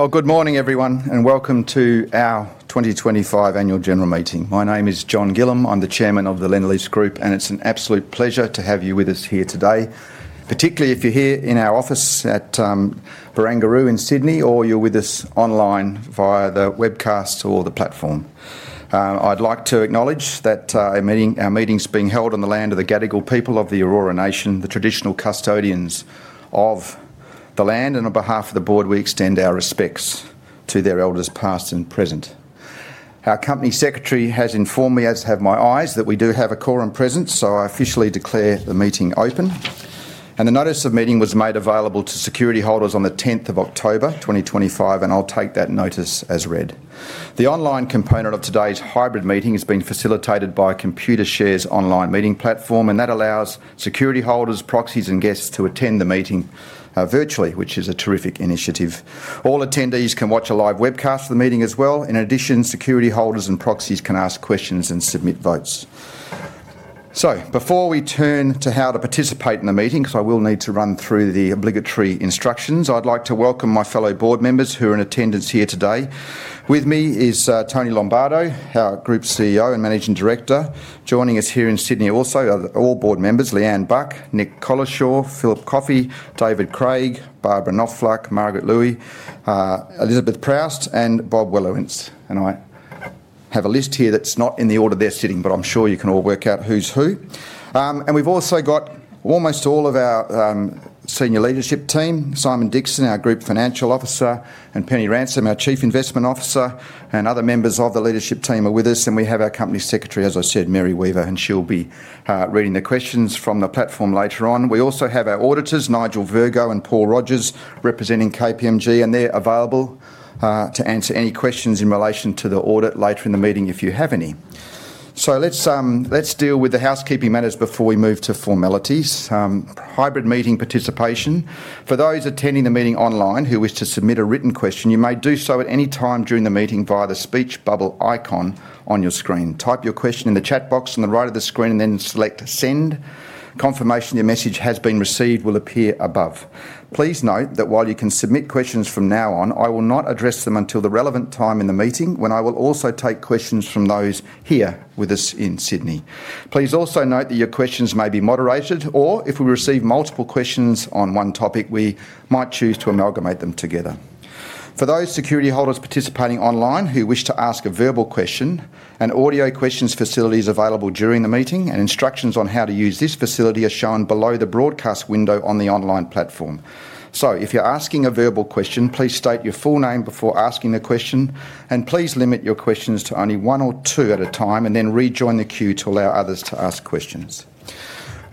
Oh, good morning, everyone, and welcome to our 2025 Annual General Meeting. My name is John Gillam. I'm the Chairman of the Lendlease Group, and it's an absolute pleasure to have you with us here today, particularly if you're here in our office at Barangaroo in Sydney, or you're with us online via the webcast or the platform. I'd like to acknowledge that our meeting is being held on the land of the Gadigal people of the Eora Nation, the traditional custodians of the land. On behalf of the board, we extend our respects to their elders, past and present. Our Company Secretary has informed me, as have my eyes, that we do have a quorum present, so I officially declare the meeting open. The notice of meeting was made available to security holders on the 10th of October, 2025, and I'll take that notice as read. The online component of today's hybrid meeting has been facilitated by Computershare's online meeting platform, and that allows security holders, proxies, and guests to attend the meeting virtually, which is a terrific initiative. All attendees can watch a live webcast of the meeting as well. In addition, security holders and proxies can ask questions and submit votes. Before we turn to how to participate in the meeting, because I will need to run through the obligatory instructions, I'd like to welcome my fellow board members who are in attendance here today. With me is Tony Lombardo, our Group CEO and Managing Director. Joining us here in Sydney also are all board members: Lianne Buck, Nick Collishaw, Philip Coffey, David Craig, Barbara Gottstein, Margaret Lui, Elizabeth Proust, and Bob Welanetz. I have a list here that's not in the order they're sitting, but I'm sure you can all work out who's who. We've also got almost all of our senior leadership team: Simon Dixon, our Group Financial Officer, and Penny Ransom, our Chief Investment Officer, and other members of the leadership team are with us. We have our Company Secretary, as I said, Mary Weaver, and she'll be reading the questions from the platform later on. We also have our auditors, Nigel Virgo and Paul Rogers, representing KPMG, and they're available to answer any questions in relation to the audit later in the meeting if you have any. Let's deal with the housekeeping matters before we move to formalities. Hybrid meeting participation: For those attending the meeting online who wish to submit a written question, you may do so at any time during the meeting via the speech bubble icon on your screen. Type your question in the chat box on the right of the screen and then select Send. Confirmation your message has been received will appear above. Please note that while you can submit questions from now on, I will not address them until the relevant time in the meeting, when I will also take questions from those here with us in Sydney. Please also note that your questions may be moderated, or if we receive multiple questions on one topic, we might choose to amalgamate them together. For those security holders participating online who wish to ask a verbal question, an audio questions facility is available during the meeting, and instructions on how to use this facility are shown below the broadcast window on the online platform. If you're asking a verbal question, please state your full name before asking the question, and please limit your questions to only one or two at a time, then rejoin the queue to allow others to ask questions.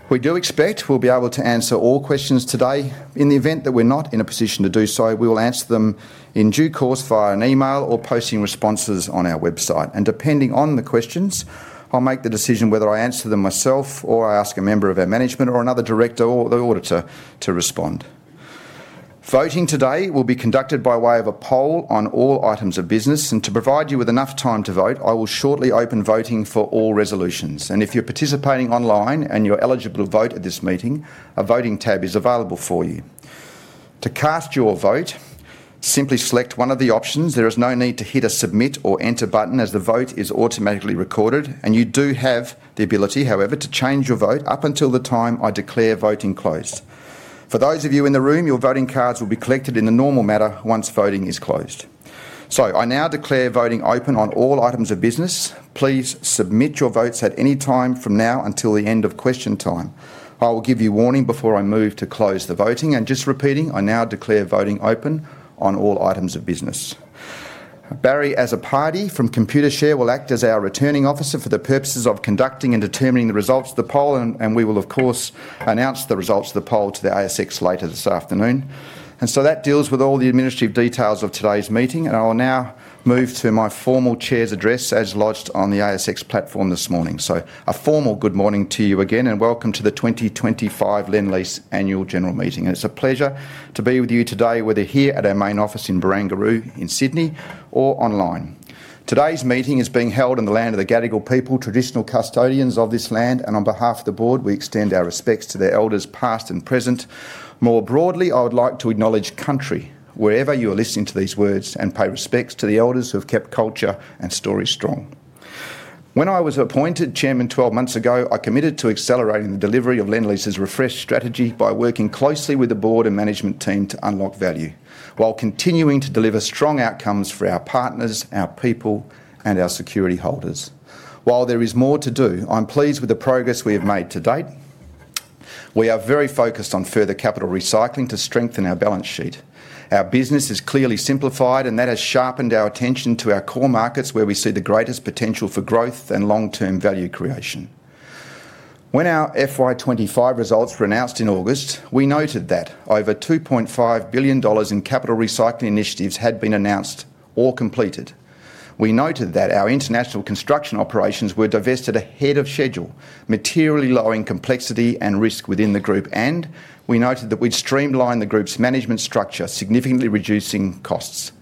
We do expect we'll be able to answer all questions today. In the event that we're not in a position to do so, we will answer them in due course via an email or posting responses on our website. Depending on the questions, I'll make the decision whether I answer them myself or I ask a member of our management or another director or the auditor to respond. Voting today will be conducted by way of a poll on all items of business, and to provide you with enough time to vote, I will shortly open voting for all resolutions. If you're participating online and you're eligible to vote at this meeting, a voting tab is available for you. To cast your vote, simply select one of the options. There is no need to hit a Submit or Enter button, as the vote is automatically recorded, and you do have the ability, however, to change your vote up until the time I declare voting closed. For those of you in the room, your voting cards will be collected in the normal manner once voting is closed. I now declare voting open on all items of business. Please submit your votes at any time from now until the end of question time. I will give you warning before I move to close the voting. Just repeating, I now declare voting open on all items of business. Barry, as a party from Computershare, will act as our returning officer for the purposes of conducting and determining the results of the poll, and we will, of course, announce the results of the poll to the ASX later this afternoon. That deals with all the administrative details of today's meeting, and I will now move to my formal Chair's address as lodged on the ASX platform this morning. A formal good morning to you again, and welcome to the 2025 Lendlease Annual General Meeting. It's a pleasure to be with you today, whether here at our main office in Barangaroo in Sydney or online. Today's meeting is being held in the land of the Gadigal people, traditional custodians of this land, and on behalf of the board, we extend our respects to their elders, past and present. More broadly, I would like to acknowledge country, wherever you are listening to these words, and pay respects to the elders who have kept culture and story strong. When I was appointed Chairman 12 months ago, I committed to accelerating the delivery of Lendlease's refreshed strategy by working closely with the board and management team to unlock value, while continuing to deliver strong outcomes for our partners, our people, and our security holders. While there is more to do, I'm pleased with the progress we have made to date. We are very focused on further capital recycling to strengthen our balance sheet. Our business is clearly simplified, and that has sharpened our attention to our core markets, where we see the greatest potential for growth and long-term value creation. When our FY 2025 results were announced in August, we noted that over 2.5 billion dollars in capital recycling initiatives had been announced or completed. We noted that our international construction operations were divested ahead of schedule, materially lowering complexity and risk within the group, and we noted that we'd streamlined the group's management structure, significantly reducing costs.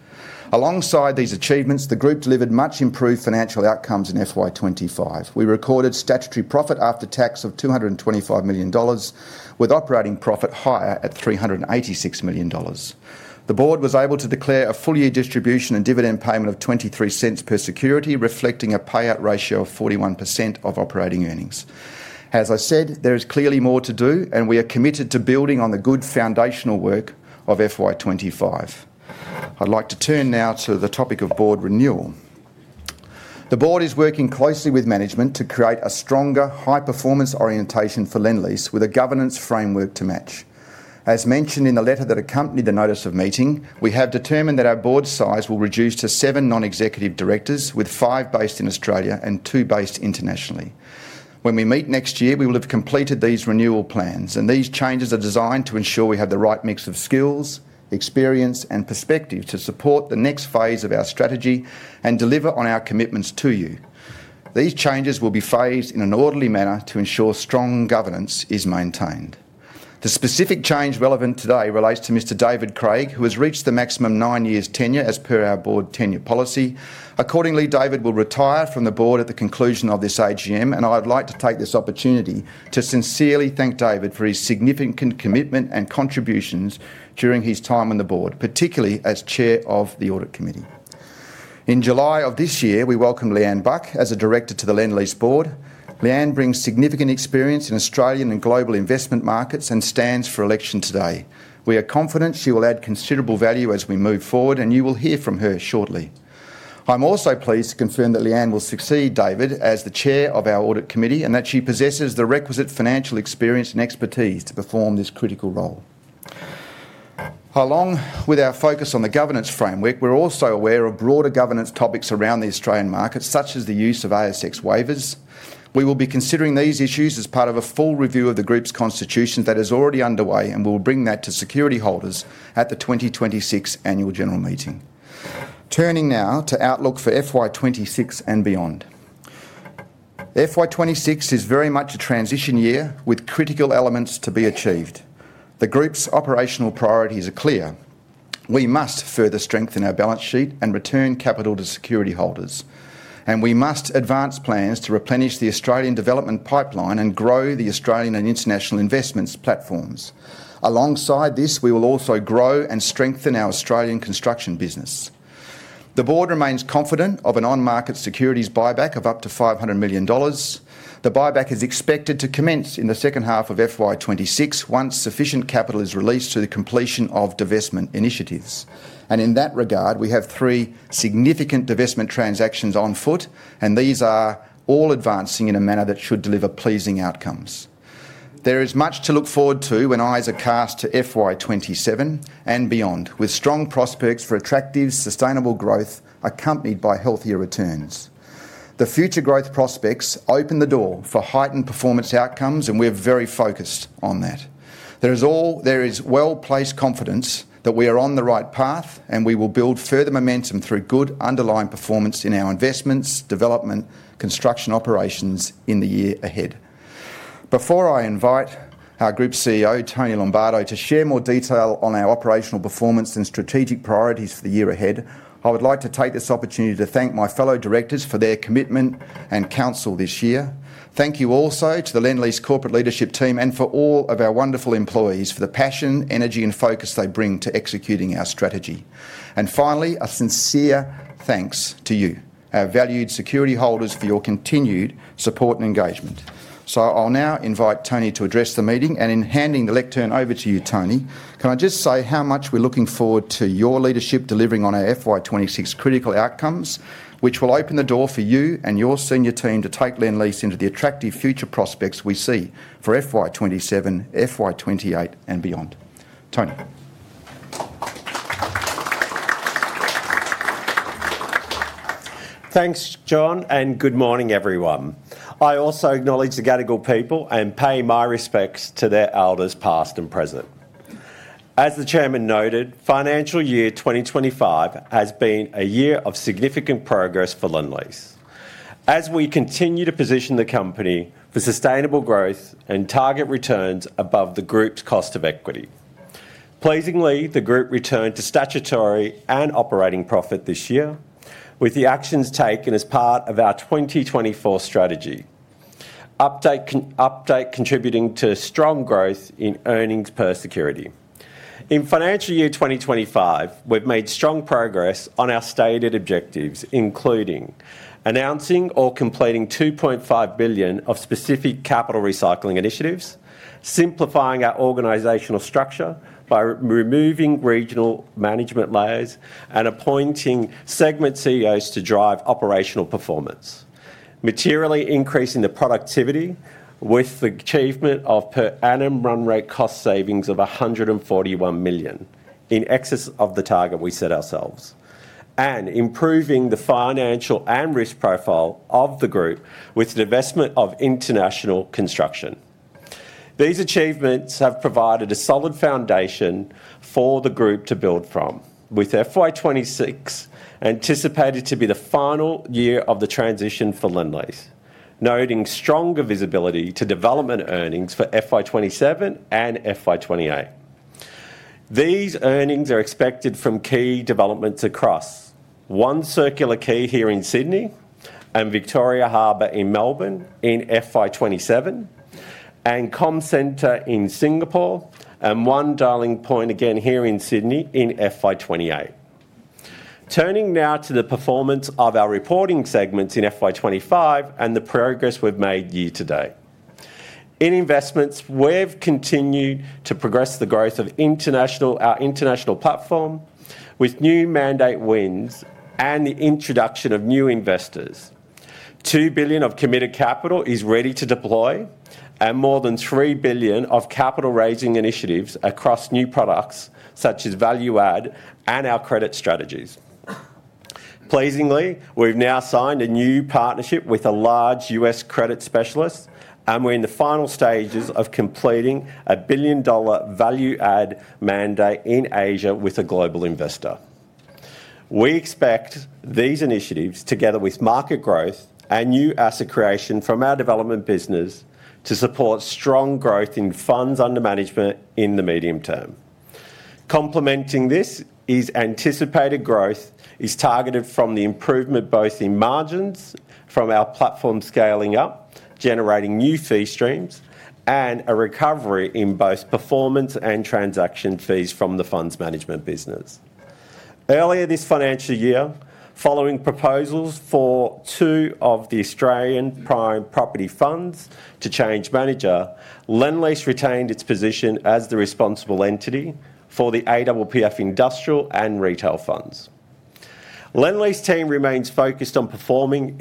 Alongside these achievements, the group delivered much-improved financial outcomes in FY 2025. We recorded statutory profit after tax of 225 million dollars, with operating profit higher at 386 million dollars. The board was able to declare a full-year distribution and dividend payment of 0.23 per security, reflecting a payout ratio of 41% of operating earnings. As I said, there is clearly more to do, and we are committed to building on the good foundational work of FY 2025. I'd like to turn now to the topic of board renewal. The board is working closely with management to create a stronger, high-performance orientation for Lendlease, with a governance framework to match. As mentioned in the letter that accompanied the notice of meeting, we have determined that our board size will reduce to seven non-executive directors, with five based in Australia and two based internationally. When we meet next year, we will have completed these renewal plans, and these changes are designed to ensure we have the right mix of skills, experience, and perspective to support the next phase of our strategy and deliver on our commitments to you. These changes will be phased in an orderly manner to ensure strong governance is maintained. The specific change relevant today relates to Mr. David Craig, who has reached the maximum nine-year tenure as per our board tenure policy. Accordingly, David will retire from the board at the conclusion of this AGM, and I'd like to take this opportunity to sincerely thank David for his significant commitment and contributions during his time on the board, particularly as Chair of the Audit Committee. In July of this year, we welcomed Lianne Buck as a director to the Lendlease board. Lianne brings significant experience in Australian and global investment markets and stands for election today. We are confident she will add considerable value as we move forward, and you will hear from her shortly. I'm also pleased to confirm that Lianne will succeed David as the Chair of our Audit Committee and that she possesses the requisite financial experience and expertise to perform this critical role. Along with our focus on the governance framework, we're also aware of broader governance topics around the Australian markets, such as the use of ASX waivers. We will be considering these issues as part of a full review of the group's constitution that is already underway, and we'll bring that to security holders at the 2026 Annual General Meeting. Turning now to outlook for FY 2026 and beyond. FY 2026 is very much a transition year with critical elements to be achieved. The group's operational priorities are clear. We must further strengthen our balance sheet and return capital to security holders, and we must advance plans to replenish the Australian development pipeline and grow the Australian and international investments platforms. Alongside this, we will also grow and strengthen our Australian construction business. The board remains confident of an on-market securities buyback of up to 500 million dollars. The buyback is expected to commence in the second half of FY 2026 once sufficient capital is released to the completion of divestment initiatives. In that regard, we have three significant divestment transactions on foot, and these are all advancing in a manner that should deliver pleasing outcomes. There is much to look forward to when eyes are cast to FY 2027 and beyond, with strong prospects for attractive, sustainable growth accompanied by healthier returns. The future growth prospects open the door for heightened performance outcomes, and we're very focused on that. There is well-placed confidence that we are on the right path, and we will build further momentum through good underlying performance in our investments, development, and construction operations in the year ahead. Before I invite our Group CEO, Tony Lombardo, to share more detail on our operational performance and strategic priorities for the year ahead, I would like to take this opportunity to thank my fellow directors for their commitment and counsel this year. Thank you also to the Lendlease Corporate Leadership Team and for all of our wonderful employees for the passion, energy, and focus they bring to executing our strategy. Finally, a sincere thanks to you, our valued security holders, for your continued support and engagement. I'll now invite Tony to address the meeting, and in handing the lectern over to you, Tony, can I just say how much we're looking forward to your leadership delivering on our FY 2026 critical outcomes, which will open the door for you and your senior team to take Lendlease into the attractive future prospects we see for FY 2027, FY 2028, and beyond. Tony. Thanks, John, and good morning, everyone. I also acknowledge the Gadigal people and pay my respects to their elders, past and present. As the Chairman noted, financial year 2025 has been a year of significant progress for Lendlease, as we continue to position the company for sustainable growth and target returns above the Group's cost of equity. Pleasingly, the group returned to statutory and operating profit this year, with the actions taken as part of our 2024 strategy update contributing to strong growth in earnings per security. In financial year 2025, we've made strong progress on our stated objectives, including announcing or completing 2.5 billion of specific capital recycling initiatives, simplifying our organisational structure by removing regional management layers and appointing segment CEOs to drive operational performance, materially increasing the productivity with the achievement of per annum run rate cost savings of 141 million in excess of the target we set ourselves, and improving the financial and risk profile of the group with the divestment of international construction. These achievements have provided a solid foundation for the group to build from, with FY 2026 anticipated to be the final year of the transition for Lendlease, noting stronger visibility to development earnings for FY 2027 and FY 2028. These earnings are expected from key developments across One Circular Quay here in Sydney and Victoria Harbour in Melbourne in FY 2027 and Comm Centre in Singapore and One Darling Point again here in Sydney in FY 2028. Turning now to the performance of our reporting segments in FY 2025 and the progress we've made year to date. In investments, we've continued to progress the growth of our international platform with new mandate wins and the introduction of new investors. 2 billion of committed capital is ready to deploy, and more than 3 billion of capital raising initiatives across new products such as value-add and our credit strategies. Pleasingly, we've now signed a new partnership with a large U.S. credit specialist, and we're in the final stages of completing a billion-dollar value-add mandate in Asia with a global investor. We expect these initiatives, together with market growth and new asset creation from our development business, to support strong growth in funds under management in the medium term. Complementing this is anticipated growth targeted from the improvement both in margins from our platform scaling up, generating new fee streams, and a recovery in both performance and transaction fees from the funds management business. Earlier this financial year, following proposals for two of the Australian Prime Property Funds to change manager, Lendlease retained its position as the responsible entity for the APPF industrial and retail funds. The Lendlease team remains focused on performing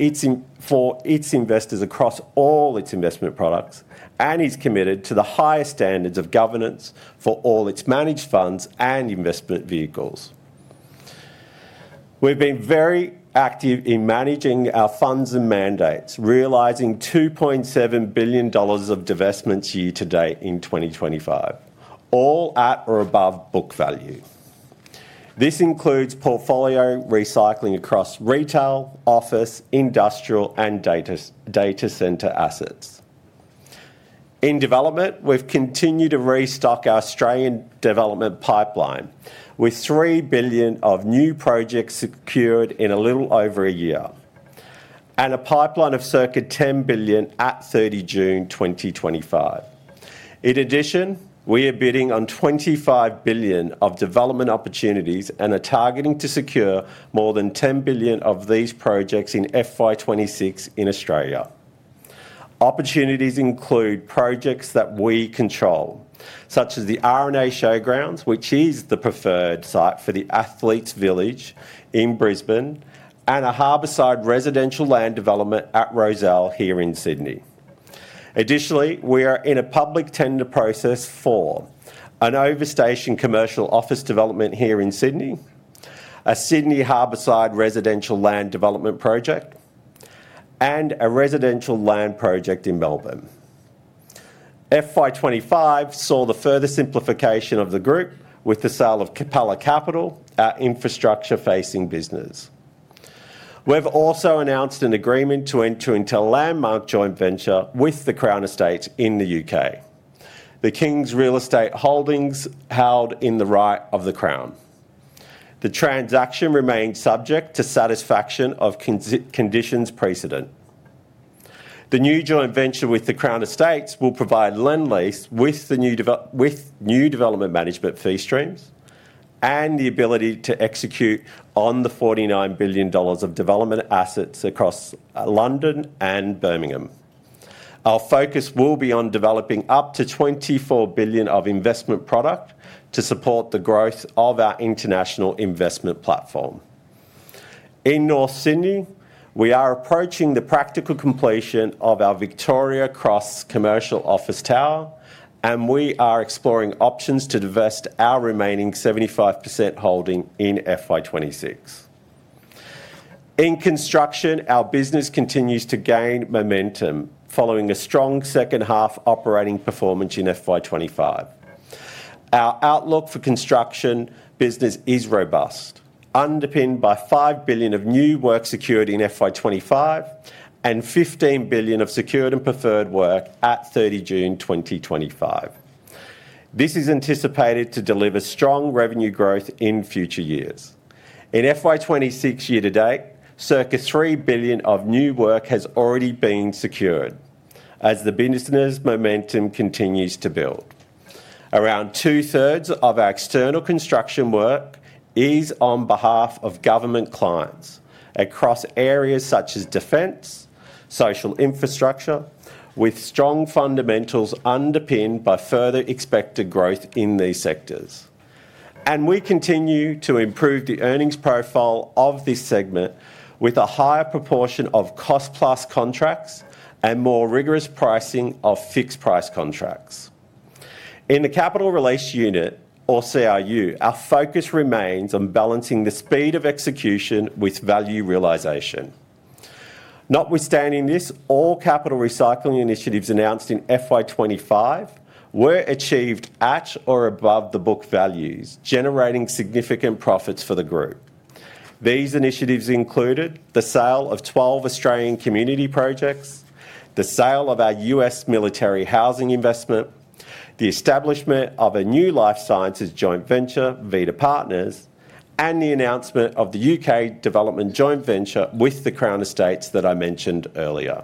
for its investors across all its investment products and is committed to the highest standards of governance for all its managed funds and investment vehicles. We've been very active in managing our funds and mandates, realising 2.7 billion dollars of divestments year to date in 2025, all at or above book value. This includes portfolio recycling across retail, office, industrial, and data centre assets. In development, we've continued to restock our Australian development pipeline with 3 billion of new projects secured in a little over a year and a pipeline of circa 10 billion at 30 June 2025. In addition, we are bidding on 25 billion of development opportunities and are targeting to secure more than 10 billion of these projects in FY 2026 in Australia. Opportunities include projects that we control, such as the R&A Showgrounds, which is the preferred site for the Athletes Village in Brisbane, and a harbourside residential land development at Rozelle here in Sydney. Additionally, we are in a public tender process for an overstaying commercial office development here in Sydney, a Sydney harbourside residential land development project, and a residential land project in Melbourne. FY 2025 saw the further simplification of the group with the sale of Capella Capital, our infrastructure-facing business. We've also announced an agreement to enter into a landmark joint venture with the Crown Estate in the U.K., the King's Real Estate Holdings held in the right of the Crown. The transaction remained subject to satisfaction of conditions precedent. The new joint venture with the Crown Estate will provide Lendlease with new development management fee streams and the ability to execute on the 49 billion dollars of development assets across London and Birmingham. Our focus will be on developing up to 24 billion of investment product to support the growth of our international investment platform. In North Sydney, we are approaching the practical completion of our Victoria Cross commercial office tower, and we are exploring options to divest our remaining 75% holding in FY 2026. In construction, our business continues to gain momentum following a strong second half operating performance in FY 2025. Our outlook for construction business is robust, underpinned by 5 billion of new work secured in FY 2025 and 15 billion of secured and preferred work at 30 June 2025. This is anticipated to deliver strong revenue growth in future years. In FY 2026 year to date, circa 3 billion of new work has already been secured as the business momentum continues to build. Around two-thirds of our external construction work is on behalf of government clients across areas such as defense, social infrastructure, with strong fundamentals underpinned by further expected growth in these sectors. We continue to improve the earnings profile of this segment with a higher proportion of cost-plus contracts and more rigorous pricing of fixed-price contracts. In the capital release unit, or CRU, our focus remains on balancing the speed of execution with value realisation. Notwithstanding this, all capital recycling initiatives announced in FY 2025 were achieved at or above the book values, generating significant profits for the group. These initiatives included the sale of 12 Australian community projects, the sale of our U.S. military housing investment, the establishment of a new life sciences joint venture, Veda Partners, and the announcement of the U.K. development joint venture with the Crown Estate that I mentioned earlier.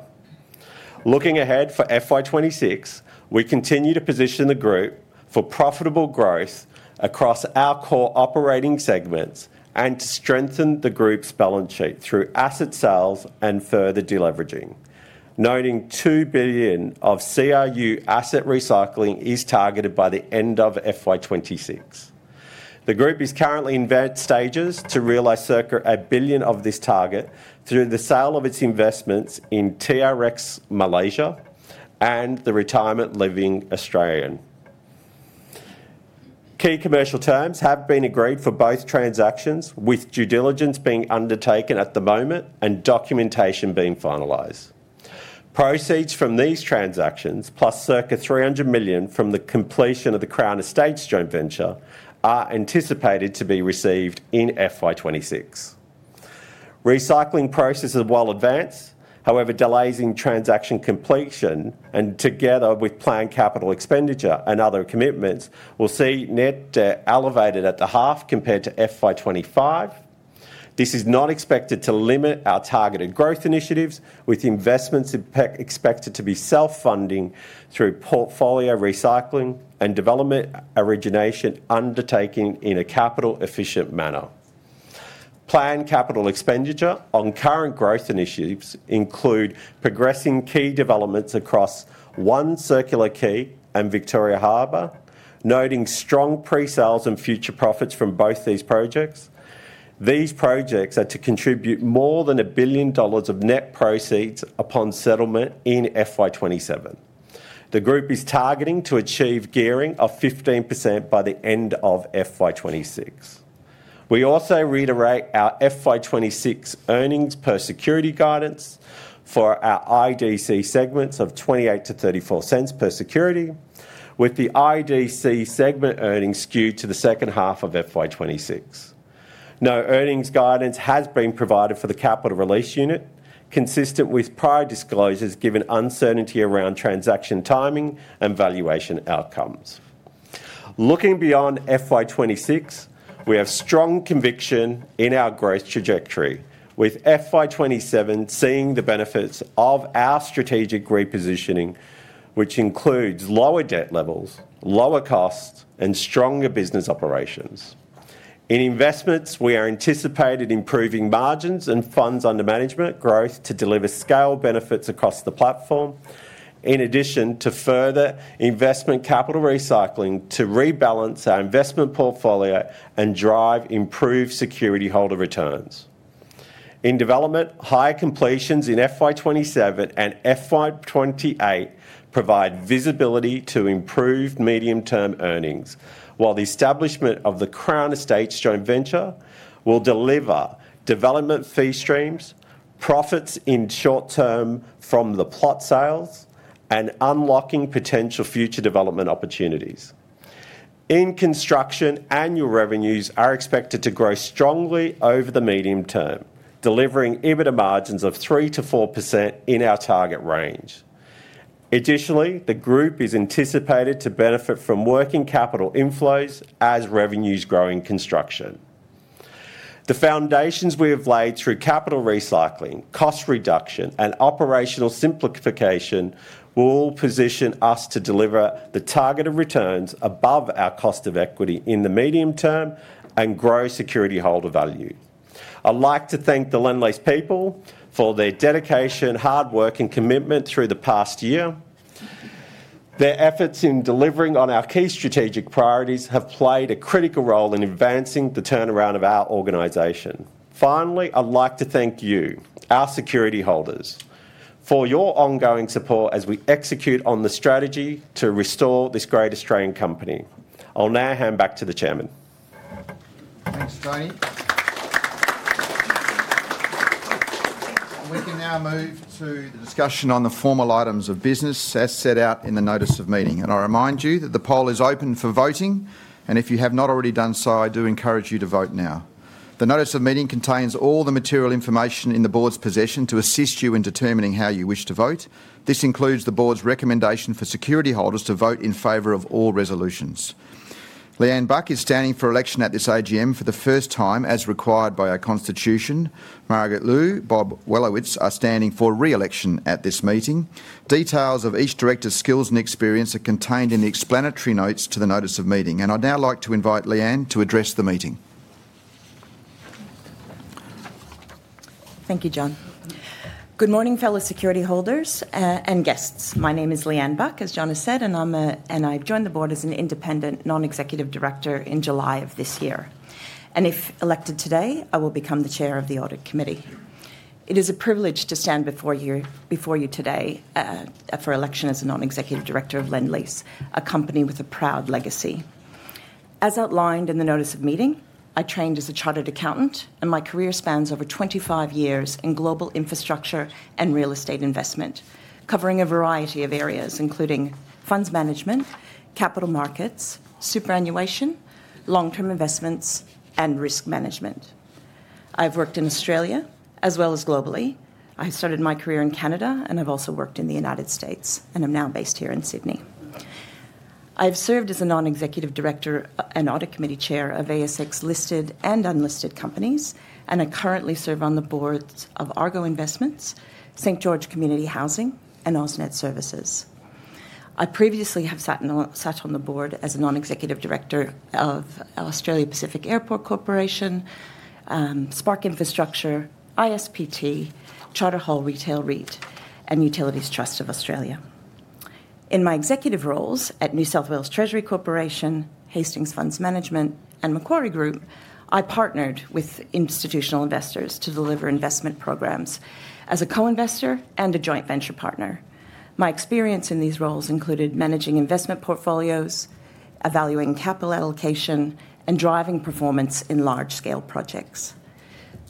Looking ahead for FY 2026, we continue to position the group for profitable growth across our core operating segments and to strengthen the group's balance sheet through asset sales and further deleveraging, noting 2 billion of CRU asset recycling is targeted by the end of FY 2026. The group is currently in stages to realize circa 1 billion of this target through the sale of its investments in TRX Malaysia and the Retirement Living Australian. Key commercial terms have been agreed for both transactions, with due diligence being undertaken at the moment and documentation being finalized. Proceeds from these transactions, plus circa 300 million from the completion of the Crown Estate joint venture, are anticipated to be received in FY 2026. Recycling processes will advance, however, delays in transaction completion and, together with planned capital expenditure and other commitments, will see net debt elevated at the half compared to FY 2025. This is not expected to limit our targeted growth initiatives, with investments expected to be self-funding through portfolio recycling and development origination undertaken in a capital-efficient manner. Planned capital expenditure on current growth initiatives includes progressing key developments across One Circular Quay and Victoria Harbour, noting strong pre-sales and future profits from both these projects. These projects are to contribute more than 1 billion dollars of net proceeds upon settlement in FY 2027. The group is targeting to achieve gearing of 15% by the end of FY 2026. We also reiterate our FY 2026 earnings per security guidance for our IDC segments of 0.28-0.34 per security, with the IDC segment earnings skewed to the second half of FY 2026. No earnings guidance has been provided for the Capital Release Unit, consistent with prior disclosures given uncertainty around transaction timing and valuation outcomes. Looking beyond FY 2026, we have strong conviction in our growth trajectory, with FY 2027 seeing the benefits of our strategic repositioning, which includes lower debt levels, lower costs, and stronger business operations. In investments, we are anticipated improving margins and funds under management growth to deliver scale benefits across the platform, in addition to further investment capital recycling to rebalance our investment portfolio and drive improved security holder returns. In development, higher completions in FY 2027 and FY 2028 provide visibility to improved medium-term earnings, while the establishment of the Crown Estate joint venture will deliver development fee streams, profits in short term from the plot sales, and unlocking potential future development opportunities. In construction, annual revenues are expected to grow strongly over the medium term, delivering EBITDA margins of 3%-4% in our target range. Additionally, the group is anticipated to benefit from working capital inflows as revenues grow in construction. The foundations we have laid through capital recycling, cost reduction, and operational simplification will position us to deliver the targeted returns above our cost of equity in the medium term and grow security holder value. I'd like to thank the Lendlease people for their dedication, hard work, and commitment through the past year. Their efforts in delivering on our key strategic priorities have played a critical role in advancing the turnaround of our organisation. Finally, I'd like to thank you, our security holders, for your ongoing support as we execute on the strategy to restore this great Australian company. I'll now hand back to the Chairman. Thanks, Tony. We can now move to the discussion on the formal items of business as set out in the notice of meeting. I remind you that the poll is open for voting, and if you have not already done so, I do encourage you to vote now. The notice of meeting contains all the material information in the Board's possession to assist you in determining how you wish to vote. This includes the Board's recommendation for security holders to vote in favor of all resolutions. Lianne Buck is standing for election at this AGM for the first time as required by our Constitution. Margaret Lui, Bob Welanetz are standing for re-election at this meeting. Details of each director's skills and experience are contained in the explanatory notes to the notice of meeting. I would now like to invite Lianne to address the meeting. Thank you, John. Good morning, fellow security holders and guests. My name is Lianne Buck, as John has said, and I've joined the Board as an Independent Non-executive Director in July of this year. If elected today, I will become the Chair of the Audit Committee. It is a privilege to stand before you today for election as a non-executive director of Lendlease, a company with a proud legacy. As outlined in the notice of meeting, I trained as a chartered accountant, and my career spans over 25 years in global infrastructure and real estate investment, covering a variety of areas, including funds management, capital markets, superannuation, long-term investments, and risk management. I've worked in Australia as well as globally. I started my career in Canada, and I've also worked in the United States, and I'm now based here in Sydney. I've served as a Non-executive Director and Audit Committee Chair of ASX-listed and unlisted companies, and I currently serve on the boards of Argo Investments, St. George Community Housing, and AusNet Services. I previously have sat on the board as a non-executive director of Australia Pacific Airports Corporation, Spark Infrastructure, ISPT, Charter Hall Retail REIT, and Utilities Trust of Australia. In my executive roles at New South Wales Treasury Corporation, Hastings Funds Management, and Macquarie Group, I partnered with institutional investors to deliver investment programs as a co-investor and a joint venture partner. My experience in these roles included managing investment portfolios, evaluating capital allocation, and driving performance in large-scale projects.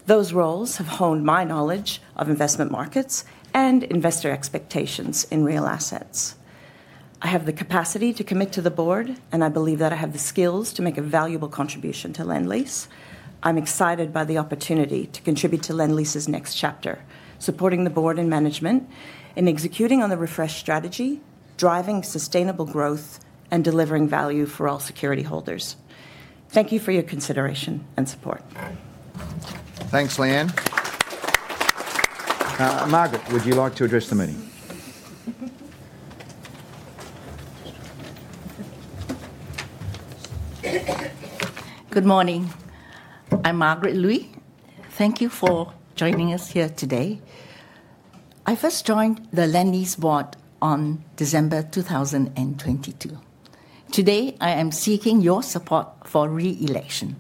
Those roles have honed my knowledge of investment markets and investor expectations in real assets. I have the capacity to commit to the Board, and I believe that I have the skills to make a valuable contribution to Lendlease. I'm excited by the opportunity to contribute to Lendlease's next chapter, supporting the Board and Management in executing on the refreshed strategy, driving sustainable growth, and delivering value for all security holders. Thank you for your consideration and support. Thanks, Lianne. Margaret, would you like to address the meeting? Good morning. I'm Margaret Lui. Thank you for joining us here today. I first joined the Lendlease Board on December 2022. Today, I am seeking your support for re-election.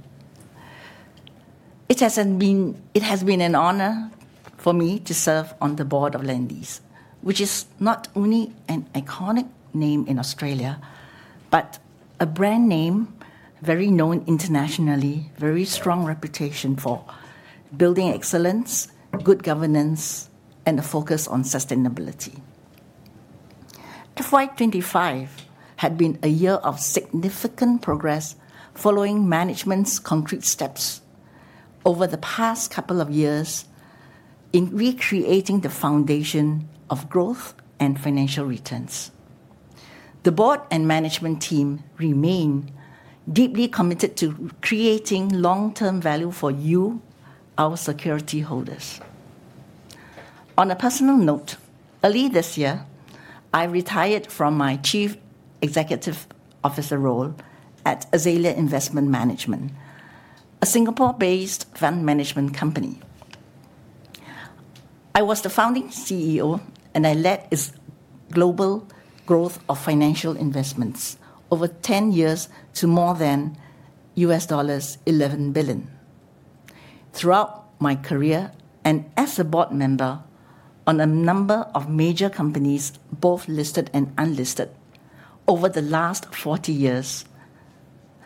It has been an honor for me to serve on the Board of Lendlease, which is not only an iconic name in Australia but a brand name very known internationally, very strong reputation for building excellence, good governance, and a focus on sustainability. FY 2025 had been a year of significant progress following management's concrete steps over the past couple of years in recreating the foundation of growth and financial returns. The Board and Management team remain deeply committed to creating long-term value for you, our security holders. On a personal note, early this year, I retired from my Chief Executive Officer role at Azalea Investment Management, a Singapore-based fund management company. I was the founding CEO, and I led its global growth of financial investments over 10 years to more than $11 billion. Throughout my career and as a Board member on a number of major companies, both listed and unlisted, over the last 40 years,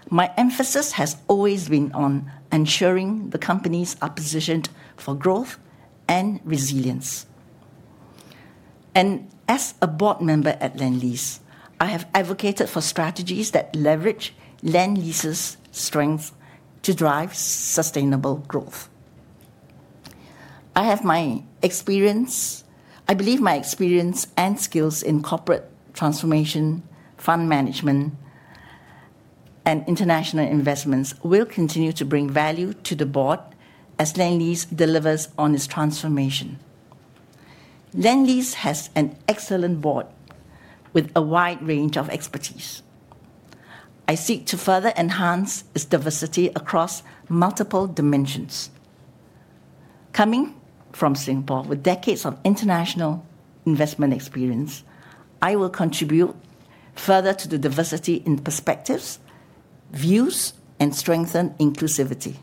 my emphasis has always been on ensuring the companies are positioned for growth and resilience. As a Board member at Lendlease, I have advocated for strategies that leverage Lendlease's strengths to drive sustainable growth. I have my experience. I believe my experience and skills in corporate transformation, fund management, and international investments will continue to bring value to the Board as Lendlease delivers on its transformation. Lendlease has an excellent Board with a wide range of expertise. I seek to further enhance its diversity across multiple dimensions. Coming from Singapore, with decades of international investment experience, I will contribute further to the diversity in perspectives, views, and strengthen inclusivity.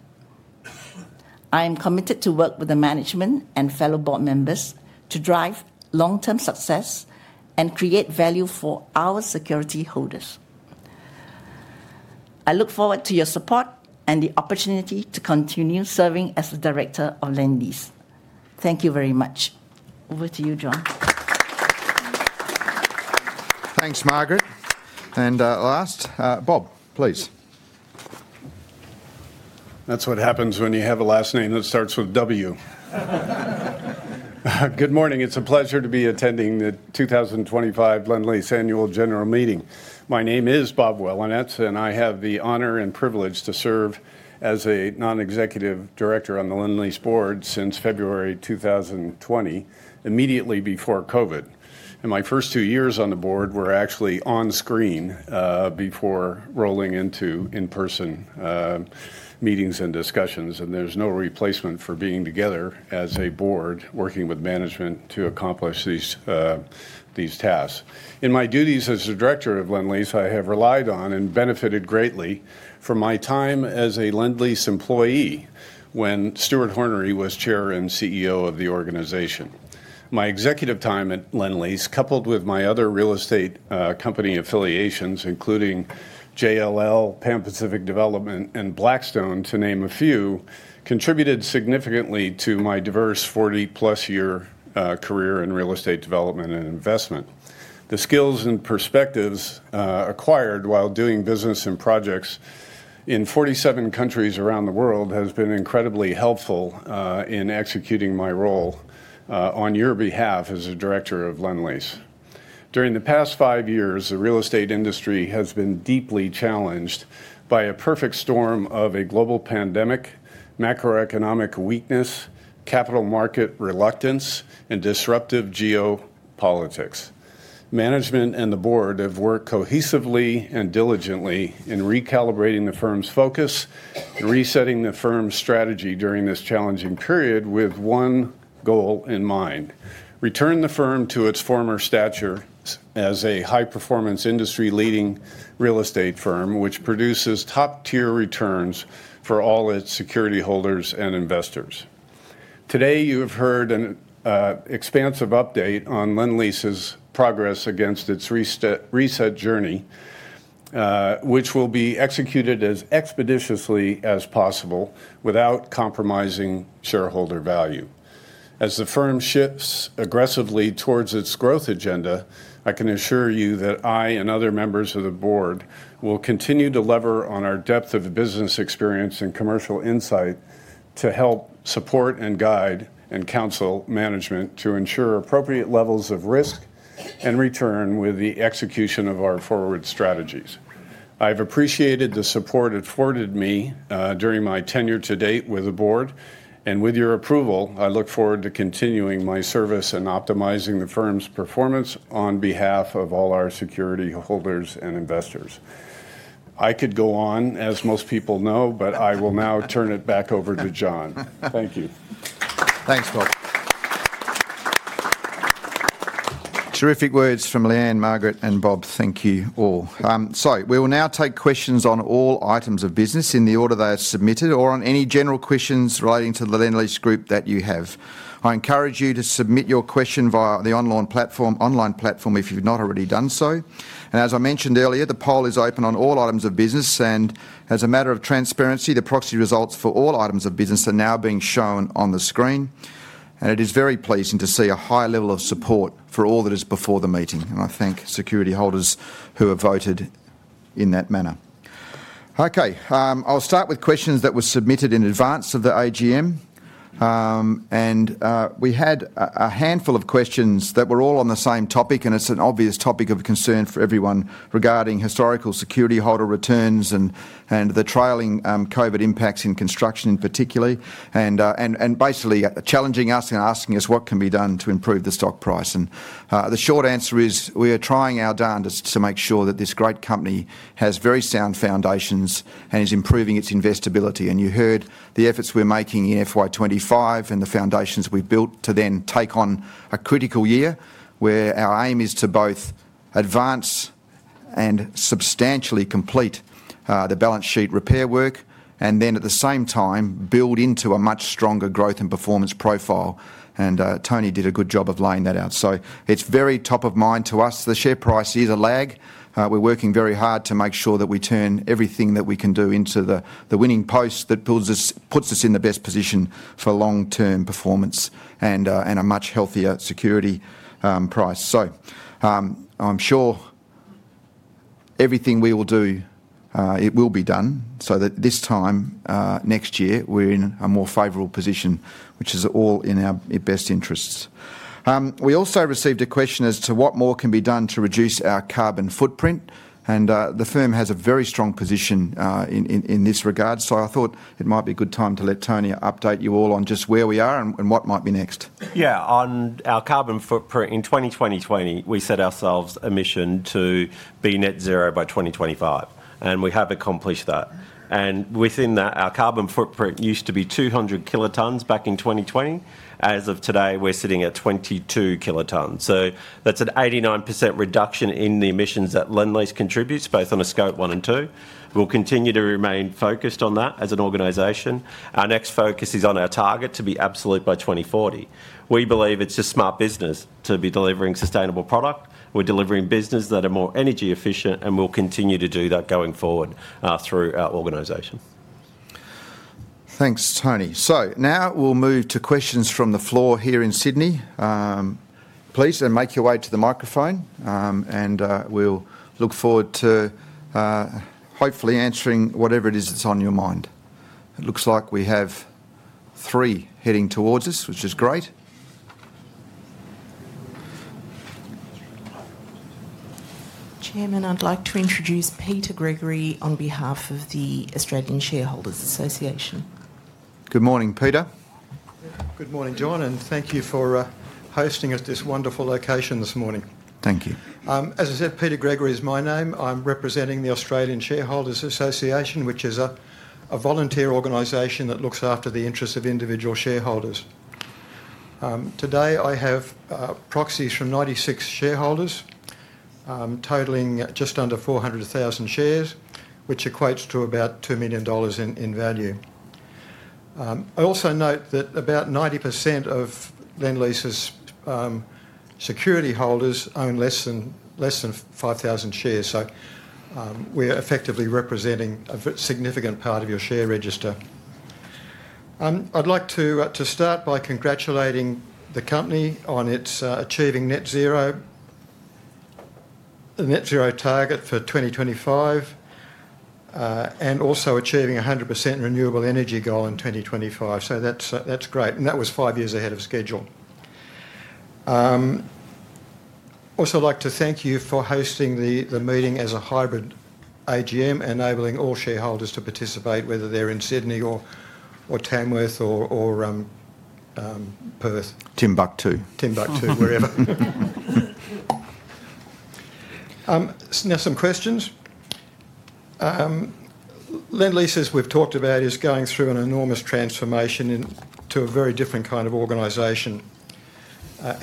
I am committed to work with the management and fellow Board members to drive long-term success and create value for our security holders. I look forward to your support and the opportunity to continue serving as the Director of Lendlease. Thank you very much. Over to you, John. Thanks, Margaret. And last, Bob, please. That's what happens when you have a last name that starts with W. Good morning. It's a pleasure to be attending the 2025 Lendlease Annual General Meeting. My name is Bob Welanetz, and I have the honor and privilege to serve as a non-executive director on the Lendlease Board since February 2020, immediately before COVID. My first two years on the Board were actually on screen before rolling into in-person meetings and discussions. There is no replacement for being together as a Board working with management to accomplish these tasks. In my duties as the Director of Lendlease, I have relied on and benefited greatly from my time as a Lendlease employee when Stuart Hornery was Chair and CEO of the organization. My executive time at Lendlease, coupled with my other real estate company affiliations, including JLL, Pan Pacific Development, and Blackstone, to name a few, contributed significantly to my diverse 40-plus year career in real estate development and investment. The skills and perspectives acquired while doing business and projects in 47 countries around the world have been incredibly helpful in executing my role on your behalf as the Director of Lendlease. During the past five years, the real estate industry has been deeply challenged by a perfect storm of a global pandemic, macroeconomic weakness, capital market reluctance, and disruptive geopolitics. Management and the Board have worked cohesively and diligently in recalibrating the firm's focus and resetting the firm's strategy during this challenging period with one goal in mind: return the firm to its former stature as a high-performance industry-leading real estate firm, which produces top-tier returns for all its security holders and investors. Today, you have heard an expansive update on Lendlease's progress against its reset journey, which will be executed as expeditiously as possible without compromising shareholder value. As the firm shifts aggressively towards its growth agenda, I can assure you that I and other members of the Board will continue to lever on our depth of business experience and commercial insight to help support and guide and counsel management to ensure appropriate levels of risk and return with the execution of our forward strategies. I've appreciated the support afforded me during my tenure to date with the Board, and with your approval, I look forward to continuing my service and optimising the firm's performance on behalf of all our security holders and investors. I could go on, as most people know, but I will now turn it back over to John. Thank you. Thanks, Bob. Terrific words from Lianne, Margaret, and Bob. Thank you all. We will now take questions on all items of business in the order they are submitted or on any general questions relating to the Lendlease Group that you have. I encourage you to submit your question via the online platform, if you've not already done so. As I mentioned earlier, the poll is open on all items of business. As a matter of transparency, the proxy results for all items of business are now being shown on the screen. It is very pleasing to see a high level of support for all that is before the meeting. I thank security holders who have voted in that manner. Okay, I'll start with questions that were submitted in advance of the AGM. We had a handful of questions that were all on the same topic, and it is an obvious topic of concern for everyone regarding historical security holder returns and the trailing COVID impacts in construction in particular, and basically challenging us and asking us what can be done to improve the stock price. The short answer is we are trying our darnedest to make sure that this great company has very sound foundations and is improving its investability. You heard the efforts we are making in FY 2025 and the foundations we have built to then take on a critical year where our aim is to both advance and substantially complete the balance sheet repair work, and at the same time build into a much stronger growth and performance profile. Tony did a good job of laying that out. It is very top of mind to us. The share price is a lag. We're working very hard to make sure that we turn everything that we can do into the winning post that puts us in the best position for long-term performance and a much healthier security price. I'm sure everything we will do, it will be done so that this time next year we're in a more favorable position, which is all in our best interests. We also received a question as to what more can be done to reduce our carbon footprint. The firm has a very strong position in this regard. I thought it might be a good time to let Tony update you all on just where we are and what might be next. Yeah, on our carbon footprint in 2020, we set ourselves a mission to be net zero by 2025. We have accomplished that. Within that, our carbon footprint used to be 200 kilotonnes back in 2020. As of today, we're sitting at 22 kilotonnes. That's an 89% reduction in the emissions that Lendlease contributes, both on a scope one and two. We'll continue to remain focused on that as an organization. Our next focus is on our target to be absolute by 2040. We believe it's a smart business to be delivering sustainable product. We're delivering business that are more energy efficient, and we'll continue to do that going forward through our organization. Thanks, Tony. Now we'll move to questions from the floor here in Sydney. Please make your way to the microphone, and we'll look forward to hopefully answering whatever it is that's on your mind. It looks like we have three heading towards us, which is great. Chairman, I'd like to introduce Peter Gregory on behalf of the Australian Shareholders Association. Good morning, Peter. Good morning, John. Thank you for hosting us at this wonderful location this morning. Thank you. As I said, Peter Gregory is my name. I'm representing the Australian Shareholders Association, which is a volunteer organization that looks after the interests of individual shareholders. Today, I have proxies from 96 shareholders totaling just under 400,000 shares, which equates to about 2 million dollars in value. I also note that about 90% of Lendlease's security holders own less than 5,000 shares. We're effectively representing a significant part of your share register. I'd like to start by congratulating the company on its achieving net zero target for 2025 and also achieving a 100% renewable energy goal in 2025. That's great. That was five years ahead of schedule. I'd also like to thank you for hosting the meeting as a hybrid AGM, enabling all shareholders to participate, whether they're in Sydney or Tien Wu or Perth. Timbuktu. Timbuktu, wherever. Now, some questions. Lendlease, as we've talked about, is going through an enormous transformation into a very different kind of organisation.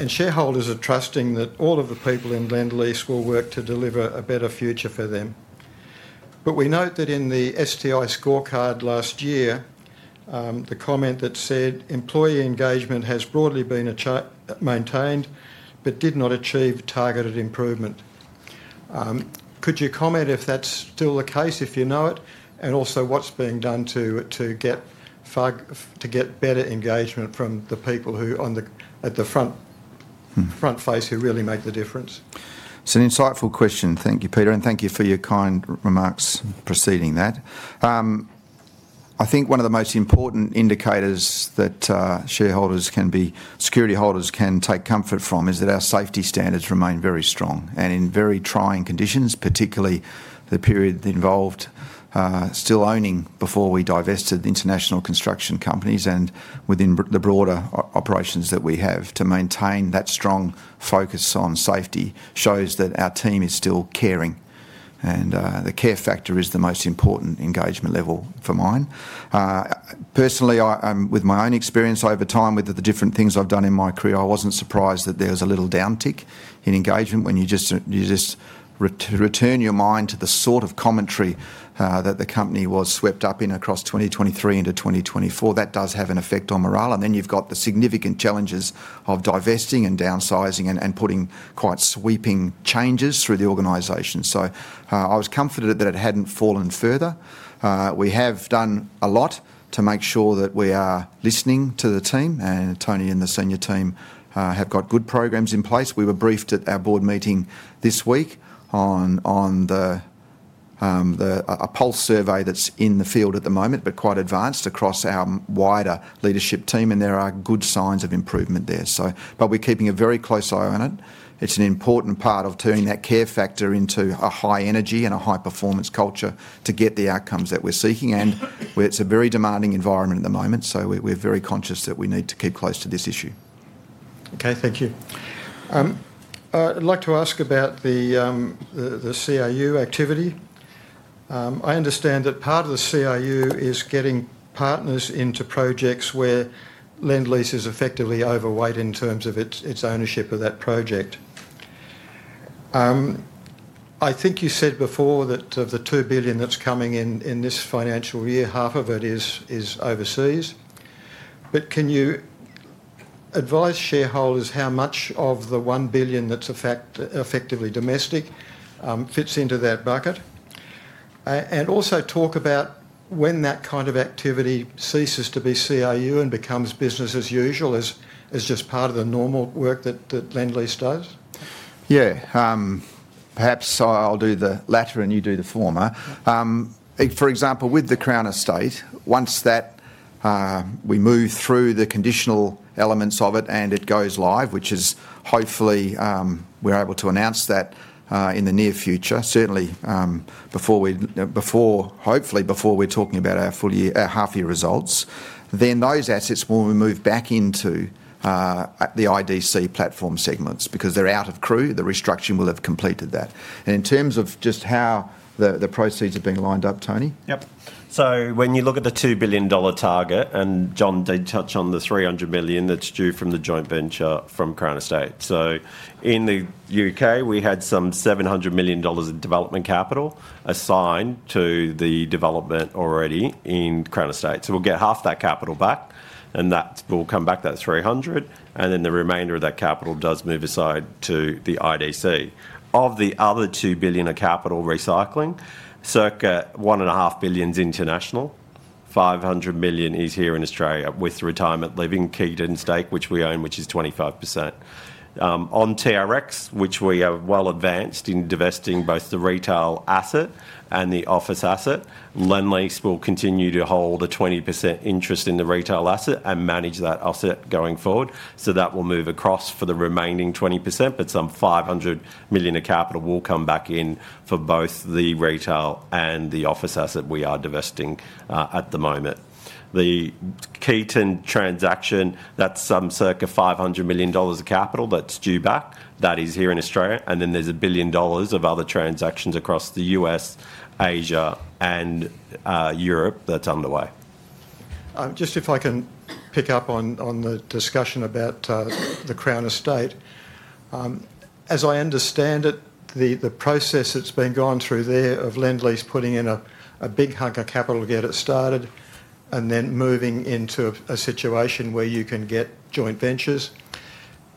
Shareholders are trusting that all of the people in Lendlease will work to deliver a better future for them. We note that in the STI scorecard last year, the comment that said employee engagement has broadly been maintained but did not achieve targeted improvement. Could you comment if that's still the case, if you know it? Also, what's being done to get better engagement from the people at the front face who really make the difference? It's an insightful question. Thank you, Peter. Thank you for your kind remarks preceding that. I think one of the most important indicators that shareholders can be, security holders can take comfort from is that our safety standards remain very strong. In very trying conditions, particularly the period involved still owning before we divested international construction companies and within the broader operations that we have, to maintain that strong focus on safety shows that our team is still caring. The care factor is the most important engagement level for mine. Personally, with my own experience over time with the different things I've done in my career, I wasn't surprised that there was a little downtick in engagement when you just return your mind to the sort of commentary that the company was swept up in across 2023 into 2024. That does have an effect on morale. You have the significant challenges of divesting and downsizing and putting quite sweeping changes through the organization. I was comforted that it had not fallen further. We have done a lot to make sure that we are listening to the team. Tony and the senior team have good programs in place. We were briefed at our board meeting this week on a pulse survey that is in the field at the moment, but quite advanced across our wider leadership team. There are good signs of improvement there. We are keeping a very close eye on it. It is an important part of turning that care factor into a high energy and a high performance culture to get the outcomes that we are seeking. It is a very demanding environment at the moment. We are very conscious that we need to keep close to this issue. Okay, thank you. I'd like to ask about the CIU activity. I understand that part of the CIU is getting partners into projects where Lendlease is effectively overweight in terms of its ownership of that project. I think you said before that of the 2 billion that's coming in this financial year, half of it is overseas. Can you advise shareholders how much of the 1 billion that's effectively domestic fits into that bucket? Also, talk about when that kind of activity ceases to be CIU and becomes business as usual as just part of the normal work that Lendlease does. Yeah, perhaps I'll do the latter and you do the former. For example, with the Crown Estate, once we move through the conditional elements of it and it goes live, which is hopefully we're able to announce that in the near future, certainly hopefully before we're talking about our half-year results, those assets will move back into the IDC platform segments because they're out of CRU. The restructuring will have completed that. In terms of just how the proceeds are being lined up, Tony? Yep. When you look at the 2 billion dollar target, and John did touch on the 300 million that's due from the joint venture from Crown Estate. In the U.K., we had some 700 million dollars in development capital assigned to the development already in Crown Estate. We'll get half that capital back, and that will come back, that 300 million, and then the remainder of that capital does move aside to the IDC. Of the other 2 billion of capital recycling, circa 1.5 billion is international. 500 million is here in Australia with retirement living, Keyton stake, which we own, which is 25%. On TRX, which we are well advanced in divesting both the retail asset and the office asset, Lendlease will continue to hold a 20% interest in the retail asset and manage that asset going forward. That will move across for the remaining 20%. Some 500 million of capital will come back in for both the retail and the office asset we are divesting at the moment. The Keyton transaction, that is some circa 500 million dollars of capital that is due back. That is here in Australia. There is 1 billion dollars of other transactions across the U.S., Asia, and Europe that is underway. Just if I can pick up on the discussion about the Crown Estate, as I understand it, the process that's been gone through there of Lendlease putting in a big hunk of capital to get it started and then moving into a situation where you can get joint ventures,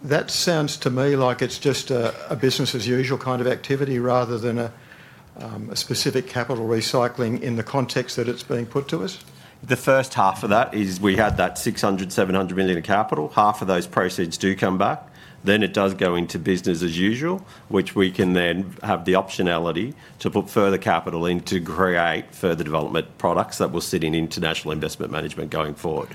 that sounds to me like it's just a business as usual kind of activity rather than a specific capital recycling in the context that it's being put to us. The first half of that is we had that 600 million-700 million of capital. Half of those proceeds do come back. Then it does go into business as usual, which we can then have the optionality to put further capital in to create further development products that will sit in international investment management going forward.